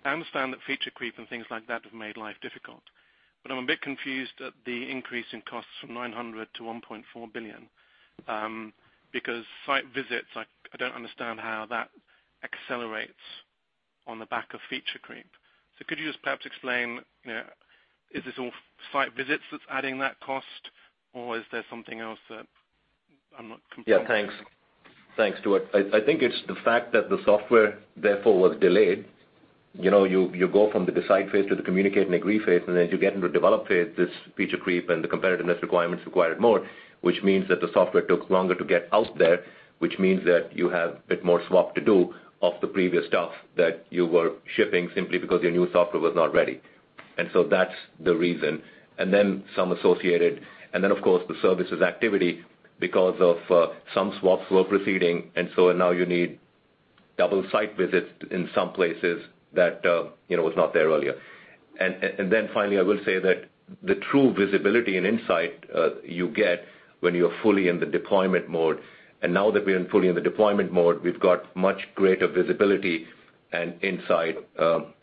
I understand that feature creep and things like that have made life difficult, but I'm a bit confused at the increase in costs from 900 to 1.4 billion, because site visits, I don't understand how that accelerates on the back of feature creep. Could you just perhaps explain, is this all site visits that's adding that cost or is there something else that I'm not? Thanks, Stuart. I think it's the fact that the software therefore was delayed. You go from the decide phase to the communicate and agree phase, and as you get into the develop phase, this feature creep and the competitiveness requirements required more, which means that the software took longer to get out there, which means that you have a bit more swap to do of the previous stuff that you were shipping simply because your new software was not ready. That's the reason. Some associated, then of course, the services activity because of some swaps were proceeding, so now you need double site visits in some places that was not there earlier. Finally, I will say that the true visibility and insight you get when you're fully in the deployment mode, now that we are fully in the deployment mode, we've got much greater visibility and insight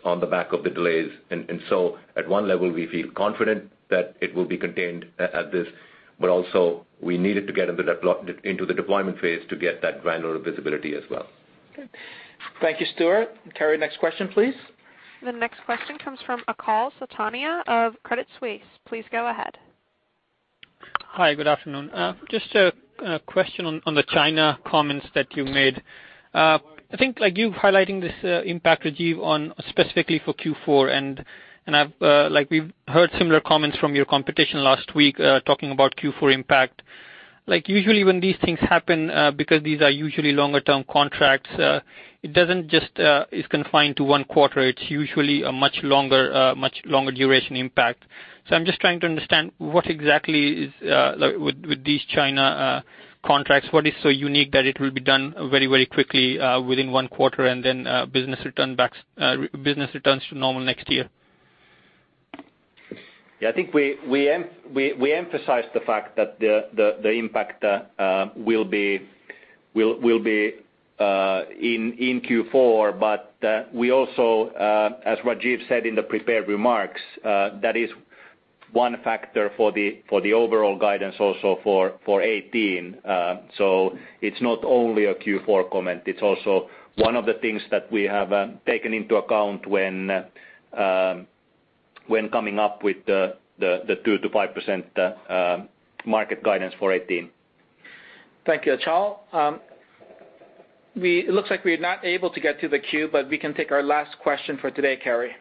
on the back of the delays. At one level, we feel confident that it will be contained at this, but also we needed to get into the deployment phase to get that granular visibility as well. Good. Thank you, Stuart. Carrie, next question, please. The next question comes from Achal Sultania of Credit Suisse. Please go ahead. Hi, good afternoon. Just a question on the China comments that you made. I think you highlighting this impact, Rajeev, on specifically for Q4, and we've heard similar comments from your competition last week, talking about Q4 impact. Usually when these things happen, because these are usually longer term contracts, it does not just is confined to one quarter, it is usually a much longer duration impact. I am just trying to understand what exactly is with these China contracts, what is so unique that it will be done very quickly within one quarter and then business returns to normal next year? I think we emphasized the fact that the impact will be in Q4, but we also, as Rajeev said in the prepared remarks, that is one factor for the overall guidance also for 2018. It is not only a Q4 comment, it is also one of the things that we have taken into account when coming up with the 2%-5% market guidance for 2018. Thank you, Achal. It looks like we are not able to get to the queue, but we can take our last question for today, Carrie.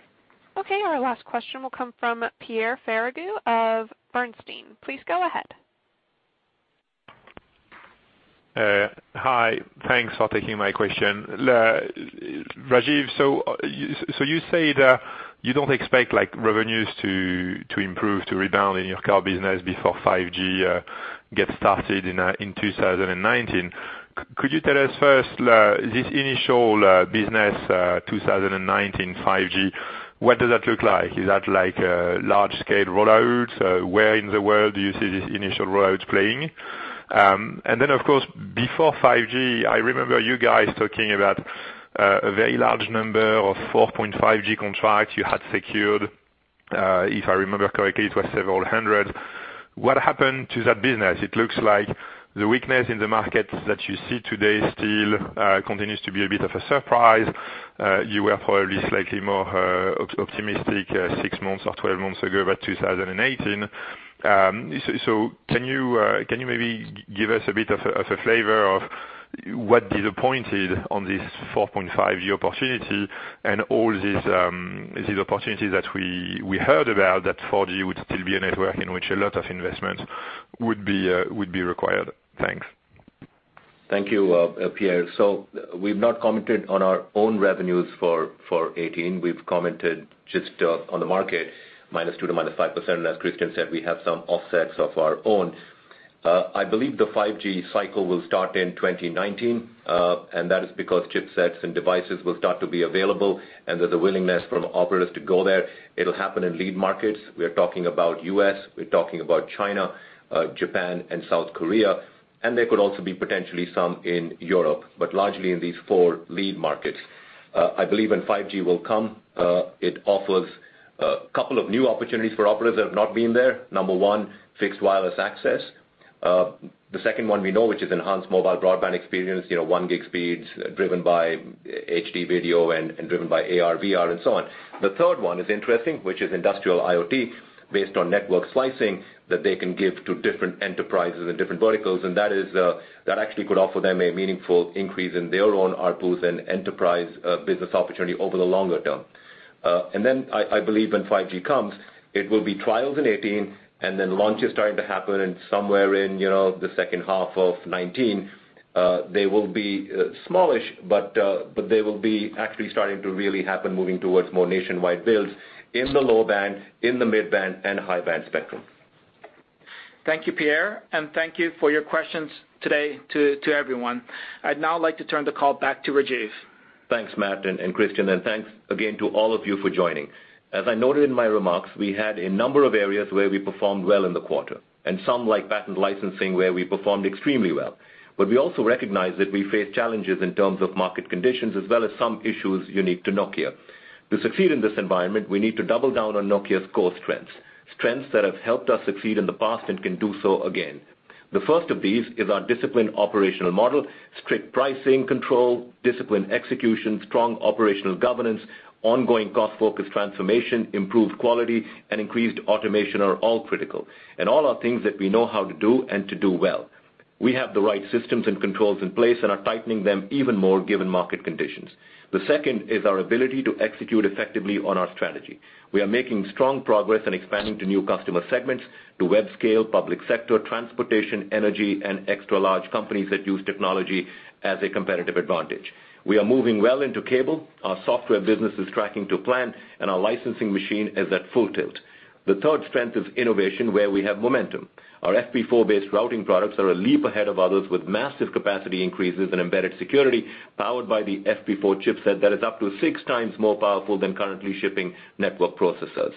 Okay. Our last question will come from Pierre Ferragu of Bernstein. Please go ahead. Hi. Thanks for taking my question. Rajeev, you say that you don't expect revenues to improve, to rebound in your core business before 5G gets started in 2019. Could you tell us first, this initial business 2019 5G, what does that look like? Is that like a large scale rollout? Where in the world do you see this initial rollout playing? Then, of course, before 5G, I remember you guys talking about a very large number of 4.5G contracts you had secured. If I remember correctly, it was several hundred. What happened to that business? It looks like the weakness in the markets that you see today still continues to be a bit of a surprise. You were probably slightly more optimistic six months or 12 months ago about 2018. Can you maybe give us a bit of a flavor of what disappointed on this 4.5G opportunity and all these opportunities that we heard about that 4G would still be a network in which a lot of investment would be required? Thanks. Thank you, Pierre. We've not commented on our own revenues for 2018. We've commented just on the market, -2% to -5%. As Kristian said, we have some offsets of our own. I believe the 5G cycle will start in 2019, and that is because chipsets and devices will start to be available and there's a willingness from operators to go there. It'll happen in lead markets. We're talking about U.S., we're talking about China, Japan, and South Korea, there could also be potentially some in Europe, but largely in these four lead markets. I believe when 5G will come, it offers a couple of new opportunities for operators that have not been there. Number one, fixed wireless access. The second one we know, which is enhanced mobile broadband experience, one gig speeds driven by HD video and driven by AR/VR and so on. The third one is interesting, which is industrial IoT based on network slicing that they can give to different enterprises and different verticals, and that actually could offer them a meaningful increase in their own ARPUs and enterprise business opportunity over the longer term. Then I believe when 5G comes, it will be trials in 2018 and then launches starting to happen in somewhere in the second half of 2019. They will be smallish, but they will be actually starting to really happen moving towards more nationwide builds in the low band, in the mid band, and high band spectrum. Thank you, Pierre, and thank you for your questions today to everyone. I'd now like to turn the call back to Rajeev. Thanks, Matt and Kristian, and thanks again to all of you for joining. As I noted in my remarks, we had a number of areas where we performed well in the quarter, and some, like patent licensing, where we performed extremely well. We also recognize that we face challenges in terms of market conditions, as well as some issues unique to Nokia. To succeed in this environment, we need to double down on Nokia's core strengths that have helped us succeed in the past and can do so again. The first of these is our disciplined operational model, strict pricing control, disciplined execution, strong operational governance, ongoing cost-focused transformation, improved quality, and increased automation are all critical, and all are things that we know how to do and to do well. We have the right systems and controls in place and are tightening them even more given market conditions. The second is our ability to execute effectively on our strategy. We are making strong progress in expanding to new customer segments, to web-scale, public sector, transportation, energy, and extra-large companies that use technology as a competitive advantage. We are moving well into cable, our software business is tracking to plan, and our licensing machine is at full tilt. The third strength is innovation, where we have momentum. Our FP4-based routing products are a leap ahead of others with massive capacity increases and embedded security powered by the FP4 chipset that is up to six times more powerful than currently shipping network processors.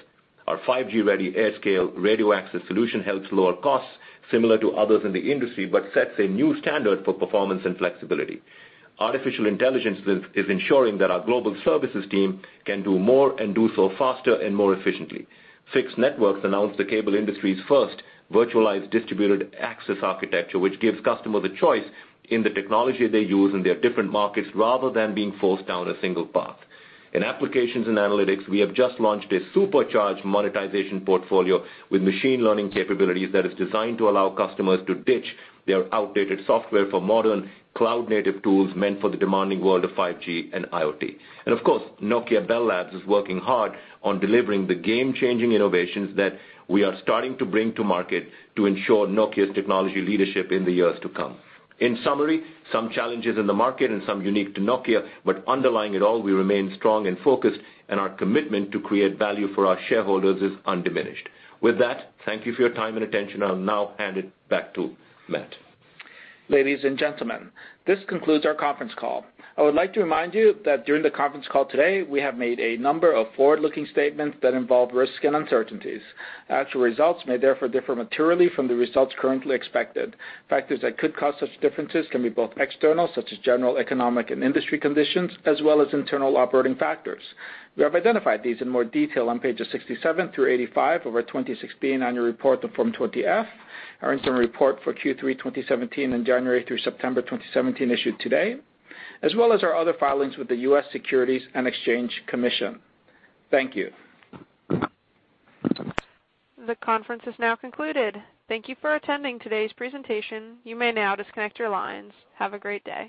Our 5G-ready AirScale radio access solution helps lower costs similar to others in the industry but sets a new standard for performance and flexibility. Artificial intelligence is ensuring that our global services team can do more and do so faster and more efficiently. Fixed networks announced the cable industry's first virtualized distributed access architecture, which gives customers a choice in the technology they use in their different markets rather than being forced down a single path. In applications and analytics, we have just launched a supercharged monetization portfolio with machine learning capabilities that is designed to allow customers to ditch their outdated software for modern cloud-native tools meant for the demanding world of 5G and IoT. Of course, Nokia Bell Labs is working hard on delivering the game-changing innovations that we are starting to bring to market to ensure Nokia's technology leadership in the years to come. In summary, some challenges in the market and some unique to Nokia. Underlying it all, we remain strong and focused, and our commitment to create value for our shareholders is undiminished. With that, thank you for your time and attention. I'll now hand it back to Matt. Ladies and gentlemen, this concludes our conference call. I would like to remind you that during the conference call today, we have made a number of forward-looking statements that involve risks and uncertainties. Actual results may therefore differ materially from the results currently expected. Factors that could cause such differences can be both external, such as general economic and industry conditions, as well as internal operating factors. We have identified these in more detail on pages 67 through 85 of our 2016 annual report of Form 20-F, our interim report for Q3 2017 and January through September 2017 issued today, as well as our other filings with the U.S. Securities and Exchange Commission. Thank you. The conference is now concluded. Thank you for attending today's presentation. You may now disconnect your lines. Have a great day.